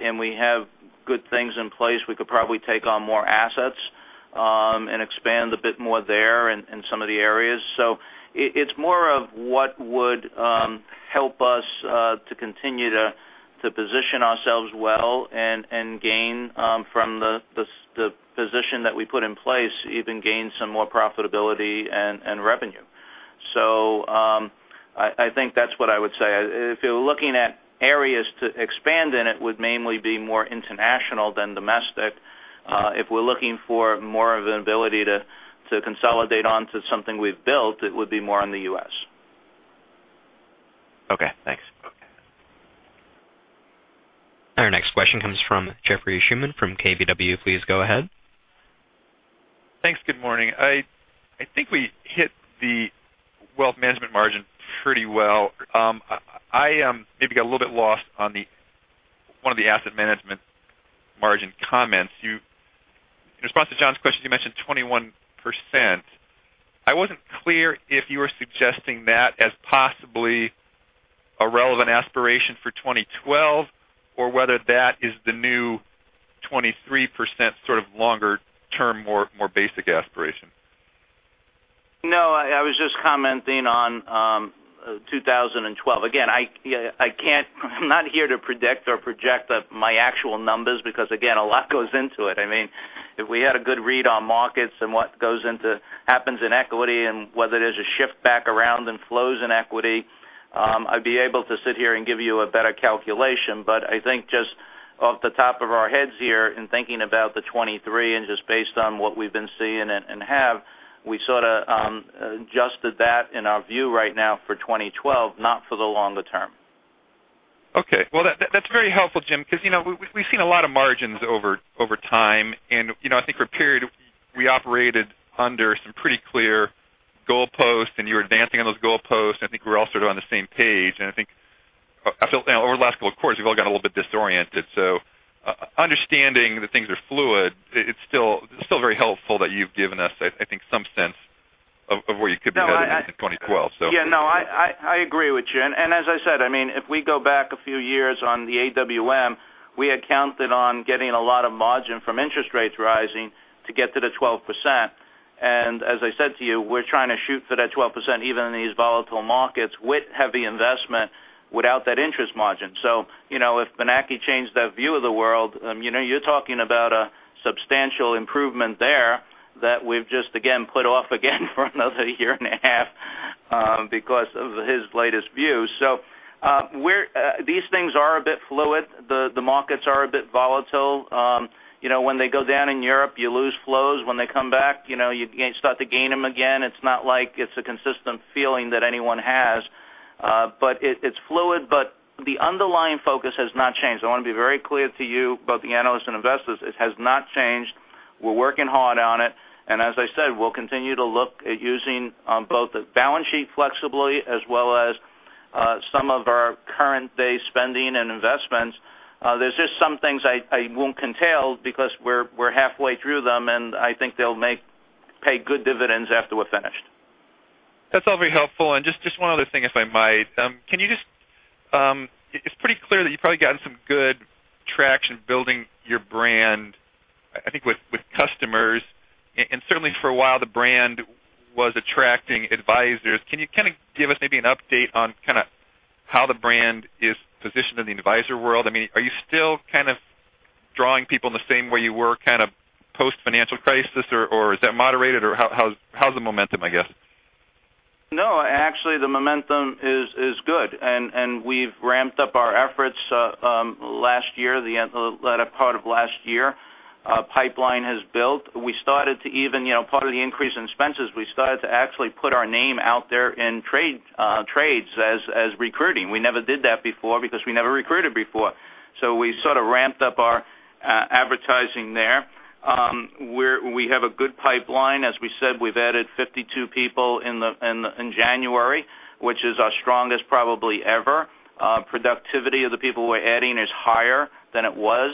and we have good things in place, we could probably take on more assets, and expand a bit more there in some of the areas. It's more of what would help us to continue to position ourselves well, and gain from the position that we put in place, even gain some more profitability and revenue. I think that's what I would say. If you're looking at areas to expand in, it would mainly be more international than domestic. If we're looking for more of an ability to consolidate onto something we've built, it would be more in the U.S. Okay, thanks. Our next question comes from Jeffrey Schuman from KBW. Please go ahead. Thanks. Good morning. I think we hit the wealth management margin pretty well. I maybe got a little bit lost on one of the asset management margin comments. In response to John's question, you mentioned 21%. I wasn't clear if you were suggesting that as possibly a relevant aspiration for 2012 or whether that is the new 23% sort of longer-term, more basic aspiration. I was just commenting on 2012. Again, I'm not here to predict or project my actual numbers because again, a lot goes into it. If we had a good read on markets and what happens in equity and whether there's a shift back around in flows in equity, I'd be able to sit here and give you a better calculation. I think just off the top of our heads here in thinking about the 23%, and just based on what we've been seeing and have, we sort of adjusted that in our view right now for 2012, not for the longer term. Okay. Well, that's very helpful, Jim, because we've seen a lot of margins over time, and I think for a period we operated under some pretty clear goalposts, and you were advancing on those goalposts. I think we're all sort of on the same page, and I think over the last couple of quarters, we've all gotten a little bit disoriented. Understanding that things are fluid, it's still very helpful that you've given us, I think, some sense of where you could be headed in 2012. Yeah, no, I agree with you. As I said, if we go back a few years on the AWM, we had counted on getting a lot of margin from interest rates rising to get to the 12%. As I said to you, we're trying to shoot for that 12%, even in these volatile markets with heavy investment without that interest margin. If Bernanke changed that view of the world, you're talking about a substantial improvement there that we've just, again, put off again for another year and a half because of his latest view. These things are a bit fluid. The markets are a bit volatile. When they go down in Europe, you lose flows. When they come back, you start to gain them again. It's not like it's a consistent feeling that anyone has. It's fluid, but the underlying focus has not changed. I want to be very clear to you, both the analysts and investors, it has not changed. We're working hard on it. As I said, we'll continue to look at using both the balance sheet flexibly as well as Of our current day spending and investments. There's just some things I won't curtail because we're halfway through them, and I think they'll pay good dividends after we're finished. That's all very helpful. Just one other thing, if I might. It's pretty clear that you've probably gotten some good traction building your brand, I think with customers, and certainly for a while, the brand was attracting advisors. Can you kind of give us maybe an update on how the brand is positioned in the advisor world? Are you still kind of drawing people in the same way you were kind of post-financial crisis, or is that moderated, or how's the momentum, I guess? No, actually, the momentum is good. We've ramped up our efforts last year, the latter part of last year. Pipeline has built. Part of the increase in expenses, we started to actually put our name out there in trades as recruiting. We never did that before because we never recruited before. We sort of ramped up our advertising there. We have a good pipeline. As we said, we've added 52 people in January, which is our strongest probably ever. Productivity of the people we're adding is higher than it was.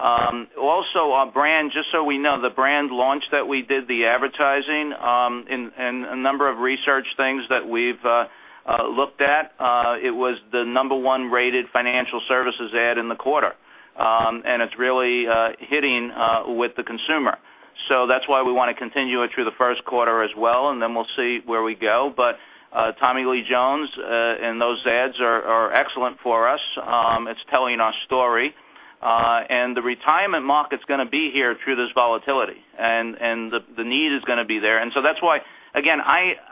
Also, our brand, just so we know, the brand launch that we did, the advertising, and a number of research things that we've looked at, it was the number 1 rated financial services ad in the quarter. It's really hitting with the consumer. That's why we want to continue it through the first quarter as well, then we'll see where we go. Tommy Lee Jones and those ads are excellent for us. It's telling our story. The retirement market's going to be here through this volatility, and the need is going to be there. That's why, again,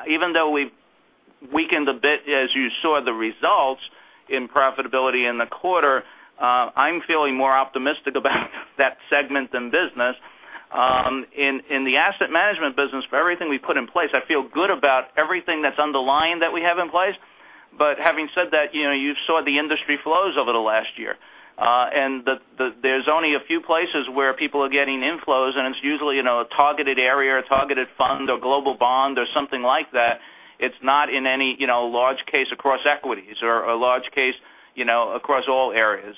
even though we've weakened a bit, as you saw the results in profitability in the quarter, I'm feeling more optimistic about that segment than business. In the asset management business, for everything we put in place, I feel good about everything that's underlying that we have in place. Having said that, you saw the industry flows over the last year. There's only a few places where people are getting inflows, and it's usually a targeted area or targeted fund or global bond or something like that. It's not in any large case across equities or a large case across all areas.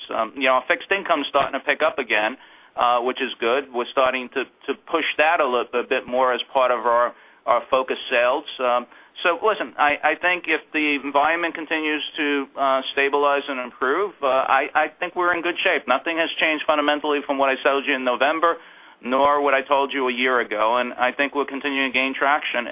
Fixed income's starting to pick up again, which is good. We're starting to push that a little bit more as part of our focus sales. Listen, I think if the environment continues to stabilize and improve, I think we're in good shape. Nothing has changed fundamentally from what I told you in November, nor what I told you a year ago, and I think we'll continue to gain traction.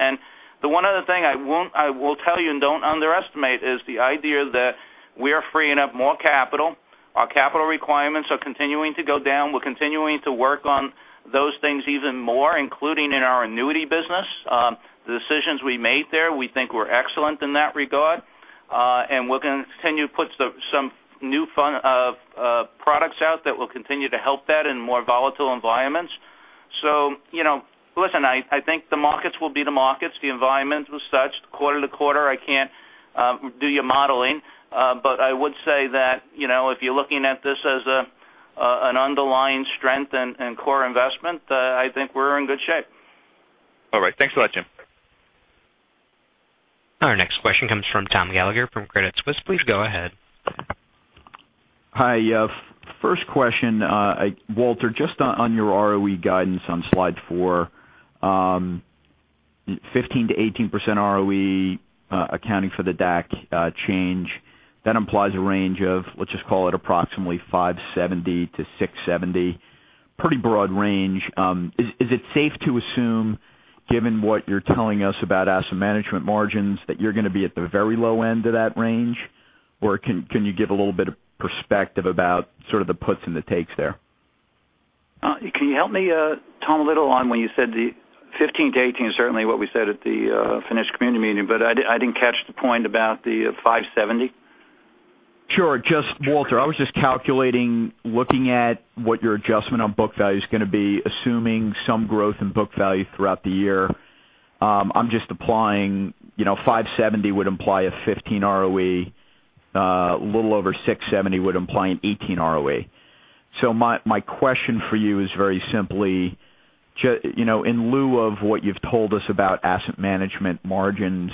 The one other thing I will tell you, and don't underestimate, is the idea that we are freeing up more capital. Our capital requirements are continuing to go down. We're continuing to work on those things even more, including in our annuity business. The decisions we made there, we think were excellent in that regard. We're going to continue to put some new products out that will continue to help that in more volatile environments. Listen, I think the markets will be the markets, the environment as such. Quarter to quarter, I can't do your modeling. I would say that if you're looking at this as an underlying strength and core investment, I think we're in good shape. All right. Thanks a lot, Jim. Our next question comes from Thomas Gallagher from Credit Suisse. Please go ahead. Hi. First question. Walter, just on your ROE guidance on slide four. 15%-18% ROE accounting for the DAC change, that implies a range of, let's just call it approximately $570-$670. Pretty broad range. Is it safe to assume, given what you're telling us about asset management margins, that you're going to be at the very low end of that range? Can you give a little bit of perspective about sort of the puts and the takes there? Can you help me, Tom, a little on when you said the 15-18 is certainly what we said at the financial community meeting, I didn't catch the point about the $570. Sure. Walter, I was just calculating, looking at what your adjustment on book value is going to be, assuming some growth in book value throughout the year. I'm just applying $570 would imply a 15% ROE. A little over $670 would imply an 18% ROE. My question for you is very simply, in lieu of what you've told us about asset management margins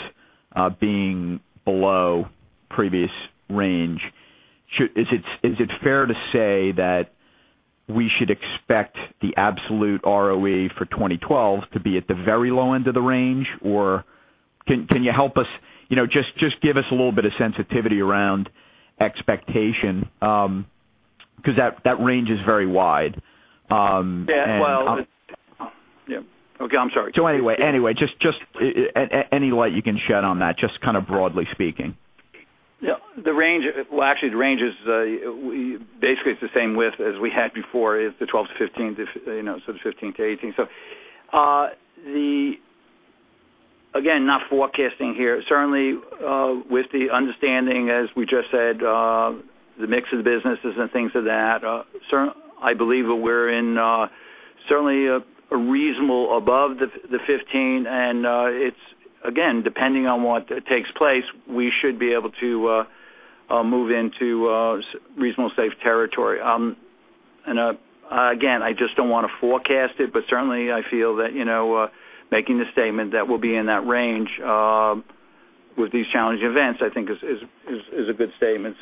being below previous range, is it fair to say that we should expect the absolute ROE for 2012 to be at the very low end of the range? Can you help us, just give us a little bit of sensitivity around expectation because that range is very wide. Yeah. Well, okay, I'm sorry. Anyway, any light you can shed on that, just kind of broadly speaking. Actually, the range is basically it's the same width as we had before, is the 12-15, the 15-18. Again, not forecasting here. Certainly with the understanding, as we just said, the mix of the businesses and things of that, I believe that we're in certainly a reasonable above the 15, and it's again, depending on what takes place, we should be able to move into reasonable safe territory. Again, I just don't want to forecast it, certainly I feel that making the statement that we'll be in that range with these challenging events, I think is a good statement.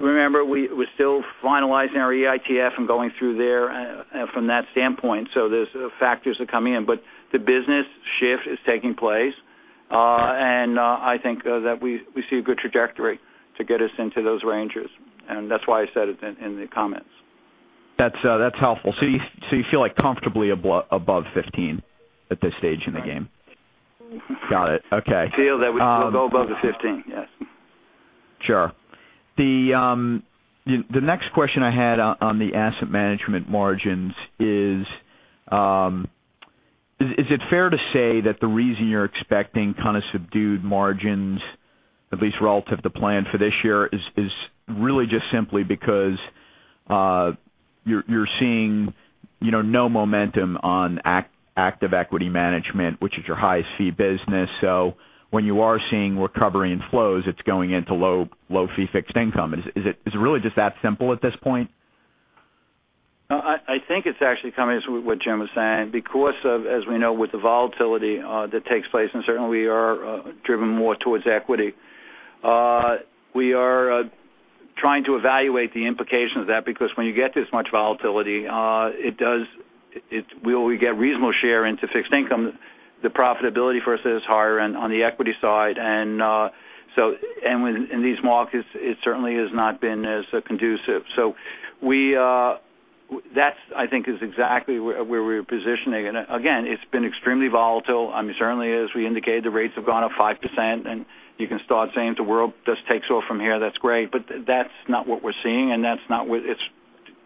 Remember, we're still finalizing our EITF and going through there from that standpoint. There's factors that come in. The business shift is taking place. I think that we see a good trajectory to get us into those ranges, and that's why I said it in the comments. That's helpful. You feel comfortably above 15 at this stage in the game? Right. Got it. Okay. Feel that we will go above the 15, yes. Sure. The next question I had on the asset management margins is it fair to say that the reason you're expecting kind of subdued margins, at least relative to plan for this year, is really just simply because you're seeing no momentum on active equity management, which is your high fee business. When you are seeing recovery in flows, it's going into low fee fixed income. Is it really just that simple at this point? I think it's actually coming as what Jim was saying. Because of, as we know, with the volatility that takes place, and certainly we are driven more towards equity. We are trying to evaluate the implication of that, because when you get this much volatility, we get reasonable share into fixed income. The profitability for us is higher and on the equity side, and in these markets, it certainly has not been as conducive. That I think is exactly where we're positioning. Again, it's been extremely volatile. Certainly, as we indicated, the rates have gone up 5% and you can start saying the world just takes off from here. That's great, but that's not what we're seeing, and it's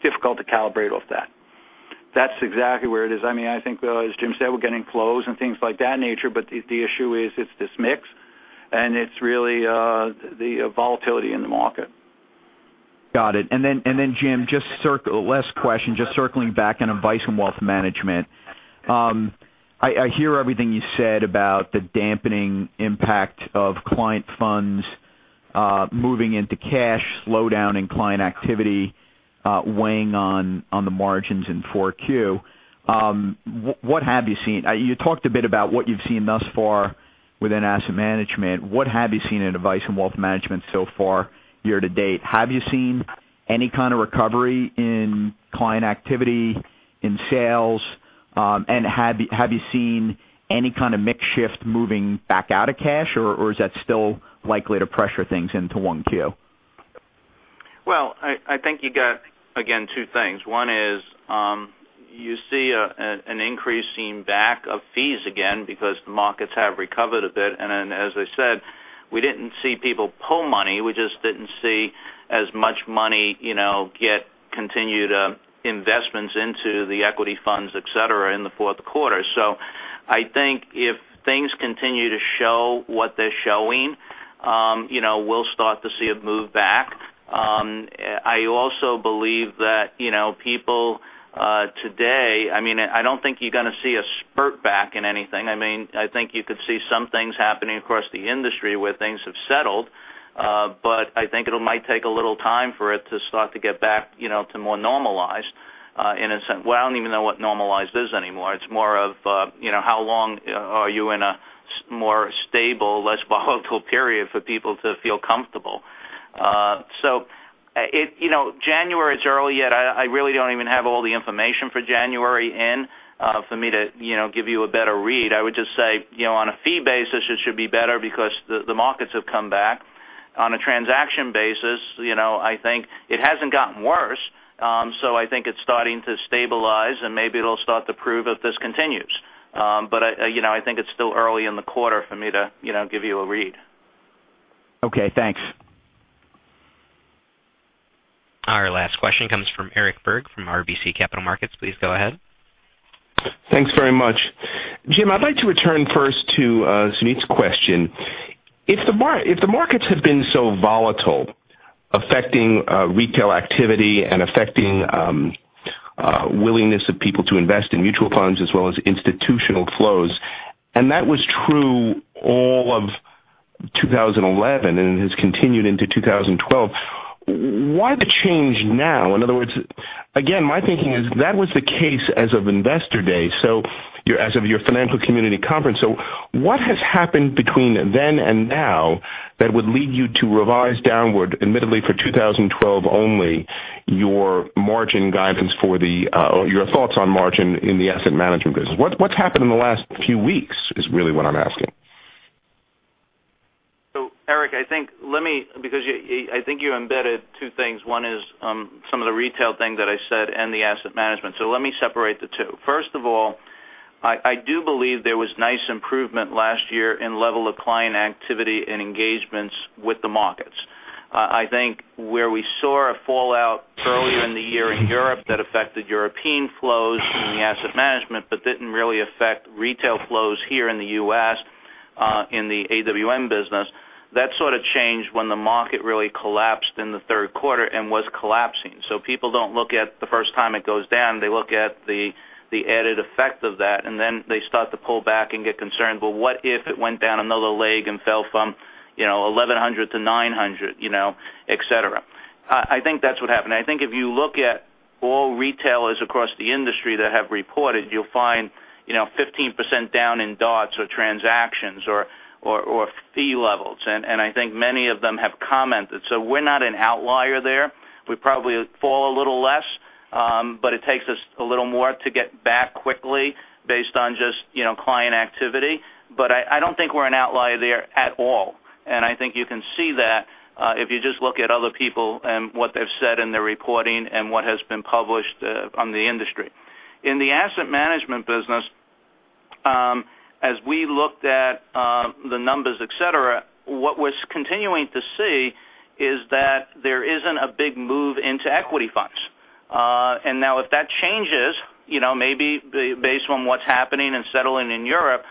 difficult to calibrate off that. That's exactly where it is. I think as Jim said, we're getting close and things like that nature. The issue is it's this mix, and it's really the volatility in the market. Got it. Then, Jim, last question, just circling back on Advice and Wealth Management. I hear everything you said about the dampening impact of client funds moving into cash, slowdown in client activity weighing on the margins in 4Q. You talked a bit about what you've seen thus far within asset management. What have you seen in Advice and Wealth Management so far year-to-date? Have you seen any kind of recovery in client activity, in sales? Have you seen any kind of mix shift moving back out of cash or is that still likely to pressure things into 1Q? Well, I think you got, again, two things. One is you see an increase in back of fees again because the markets have recovered a bit. Then, as I said, we didn't see people pull money. We just didn't see as much money get continued investments into the equity funds, et cetera, in the fourth quarter. I think if things continue to show what they're showing, we'll start to see a move back. I also believe that people today, I don't think you're going to see a spurt back in anything. I think you could see some things happening across the industry where things have settled. I think it might take a little time for it to start to get back to more normalized. In a sense, well, I don't even know what normalized is anymore. It's more of how long are you in a more stable, less volatile period for people to feel comfortable. January, it's early yet. I really don't even have all the information for January in for me to give you a better read. I would just say, on a fee basis, it should be better because the markets have come back. On a transaction basis, I think it hasn't gotten worse. I think it's starting to stabilize, and maybe it'll start to prove if this continues. I think it's still early in the quarter for me to give you a read. Okay, thanks. Our last question comes from Eric Berg from RBC Capital Markets. Please go ahead. Thanks very much. Jim, I'd like to return first to Suneet's question. If the markets have been so volatile, affecting retail activity and affecting willingness of people to invest in mutual funds as well as institutional flows, that was true all of 2011 and has continued into 2012. Why the change now? In other words, again, my thinking is that was the case as of Investor Day. As of your financial community conference. What has happened between then and now that would lead you to revise downward, admittedly for 2012, only your margin guidance for your thoughts on margin in the asset management business? What's happened in the last few weeks is really what I'm asking. Eric, I think you embedded two things. One is some of the retail things that I said and the asset management. Let me separate the two. First of all, I do believe there was nice improvement last year in level of client activity and engagements with the markets. I think where we saw a fallout earlier in the year in Europe that affected European flows in the asset management, but didn't really affect retail flows here in the U.S. in the AWM business. That sort of changed when the market really collapsed in the third quarter and was collapsing. People don't look at the first time it goes down, they look at the added effect of that, and then they start to pull back and get concerned. Well, what if it went down another leg and fell from 1,100 to 900, et cetera? I think that's what happened. I think if you look at all retailers across the industry that have reported, you'll find 15% down in dots or transactions or fee levels. I think many of them have commented. We're not an outlier there. We probably fall a little less, but it takes us a little more to get back quickly based on just client activity. I don't think we're an outlier there at all, and I think you can see that if you just look at other people and what they've said in their reporting and what has been published on the industry. In the asset management business, as we looked at the numbers, et cetera, what we're continuing to see is that there isn't a big move into equity funds. If that changes, maybe based on what's happening and settling in Europe,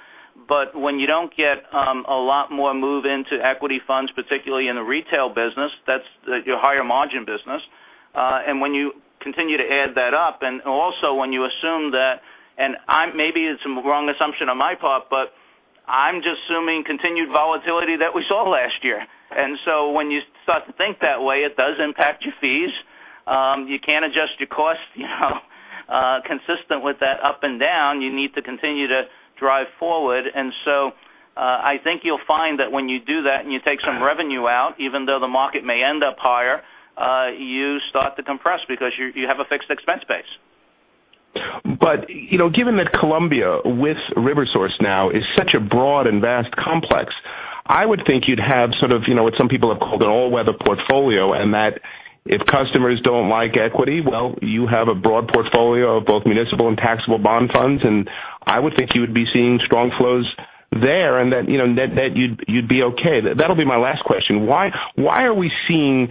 when you don't get a lot more move into equity funds, particularly in the retail business, that's your higher margin business. When you continue to add that up, when you assume that, I'm just assuming continued volatility that we saw last year. When you start to think that way, it does impact your fees. You can't adjust your cost consistent with that up and down. You need to continue to drive forward. I think you'll find that when you do that and you take some revenue out, even though the market may end up higher, you start to compress because you have a fixed expense base. Given that Columbia with RiverSource now is such a broad and vast complex, I would think you'd have sort of what some people have called an all-weather portfolio, if customers don't like equity, you have a broad portfolio of both municipal and taxable bond funds, I would think you would be seeing strong flows there you'd be okay. That'll be my last question. Why are we seeing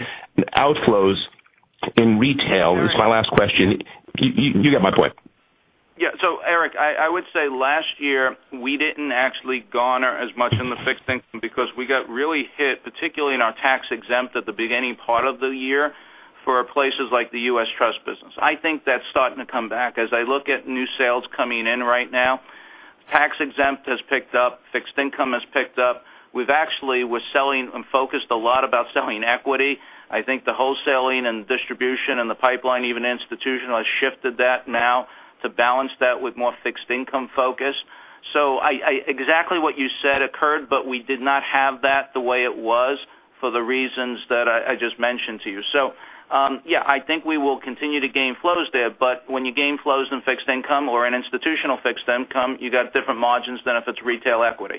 outflows in retail? This is my last question. You get my point. Eric, I would say last year we didn't actually garner as much in the fixed income because we got really hit, particularly in our tax-exempt at the beginning part of the year for places like the U.S. Trust business. I think that's starting to come back. As I look at new sales coming in right now, tax-exempt has picked up, fixed income has picked up. We're actually selling and focused a lot about selling equity. I think the wholesaling and distribution and the pipeline, even institutional, has shifted that now to balance that with more fixed income focus. Exactly what you said occurred, but we did not have that the way it was for the reasons that I just mentioned to you. Yeah, I think we will continue to gain flows there, but when you gain flows in fixed income or in institutional fixed income, you got different margins than if it's retail equity.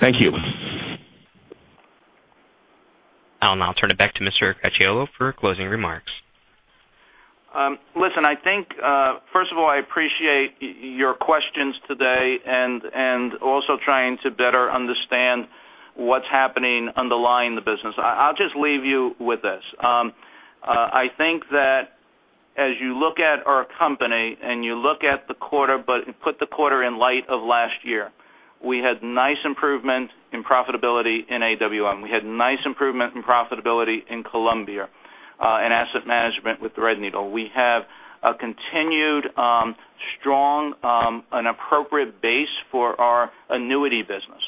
Thank you. I'll now turn it back to Mr. Cracchiolo for closing remarks. Listen, first of all, I appreciate your questions today. Also trying to better understand what's happening underlying the business. I'll just leave you with this. I think that as you look at our company and you look at the quarter but put the quarter in light of last year, we had nice improvement in profitability in AWM. We had nice improvement in profitability in Columbia, in asset management with Threadneedle. We have a continued strong, an appropriate base for our annuity business.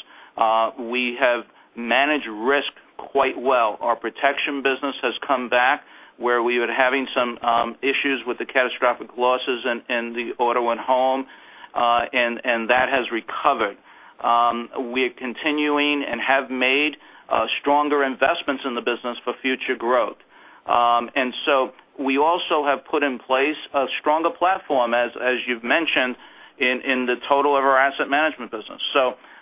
We have managed risk quite well. Our protection business has come back where we were having some issues with the catastrophic losses in the auto and home, and that has recovered. We are continuing and have made stronger investments in the business for future growth. We also have put in place a stronger platform, as you've mentioned, in the total of our asset management business.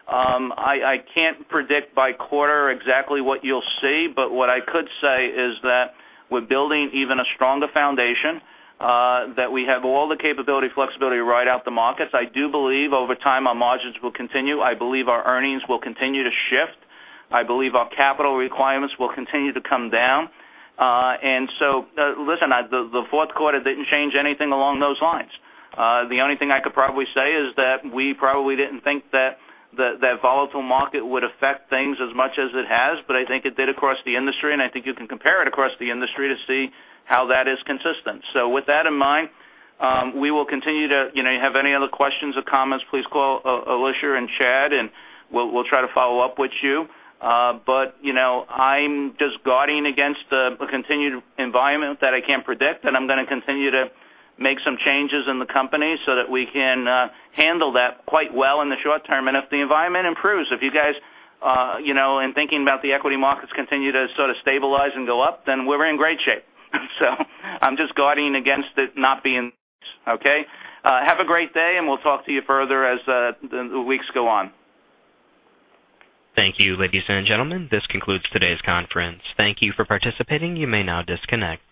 I can't predict by quarter exactly what you'll see, but what I could say is that we're building even a stronger foundation, that we have all the capability, flexibility to ride out the markets. I do believe over time our margins will continue. I believe our earnings will continue to shift. I believe our capital requirements will continue to come down. Listen, the fourth quarter didn't change anything along those lines. The only thing I could probably say is that we probably didn't think that volatile market would affect things as much as it has, but I think it did across the industry, and I think you can compare it across the industry to see how that is consistent. With that in mind, we will continue to have any other questions or comments, please call Alicia or Chad, and we'll try to follow up with you. I'm just guarding against a continued environment that I can't predict, and I'm going to continue to make some changes in the company so that we can handle that quite well in the short term. If the environment improves, if you guys in thinking about the equity markets continue to sort of stabilize and go up, then we're in great shape. I'm just guarding against it not being, okay? Have a great day. We'll talk to you further as the weeks go on. Thank you, ladies and gentlemen. This concludes today's conference. Thank you for participating. You may now disconnect.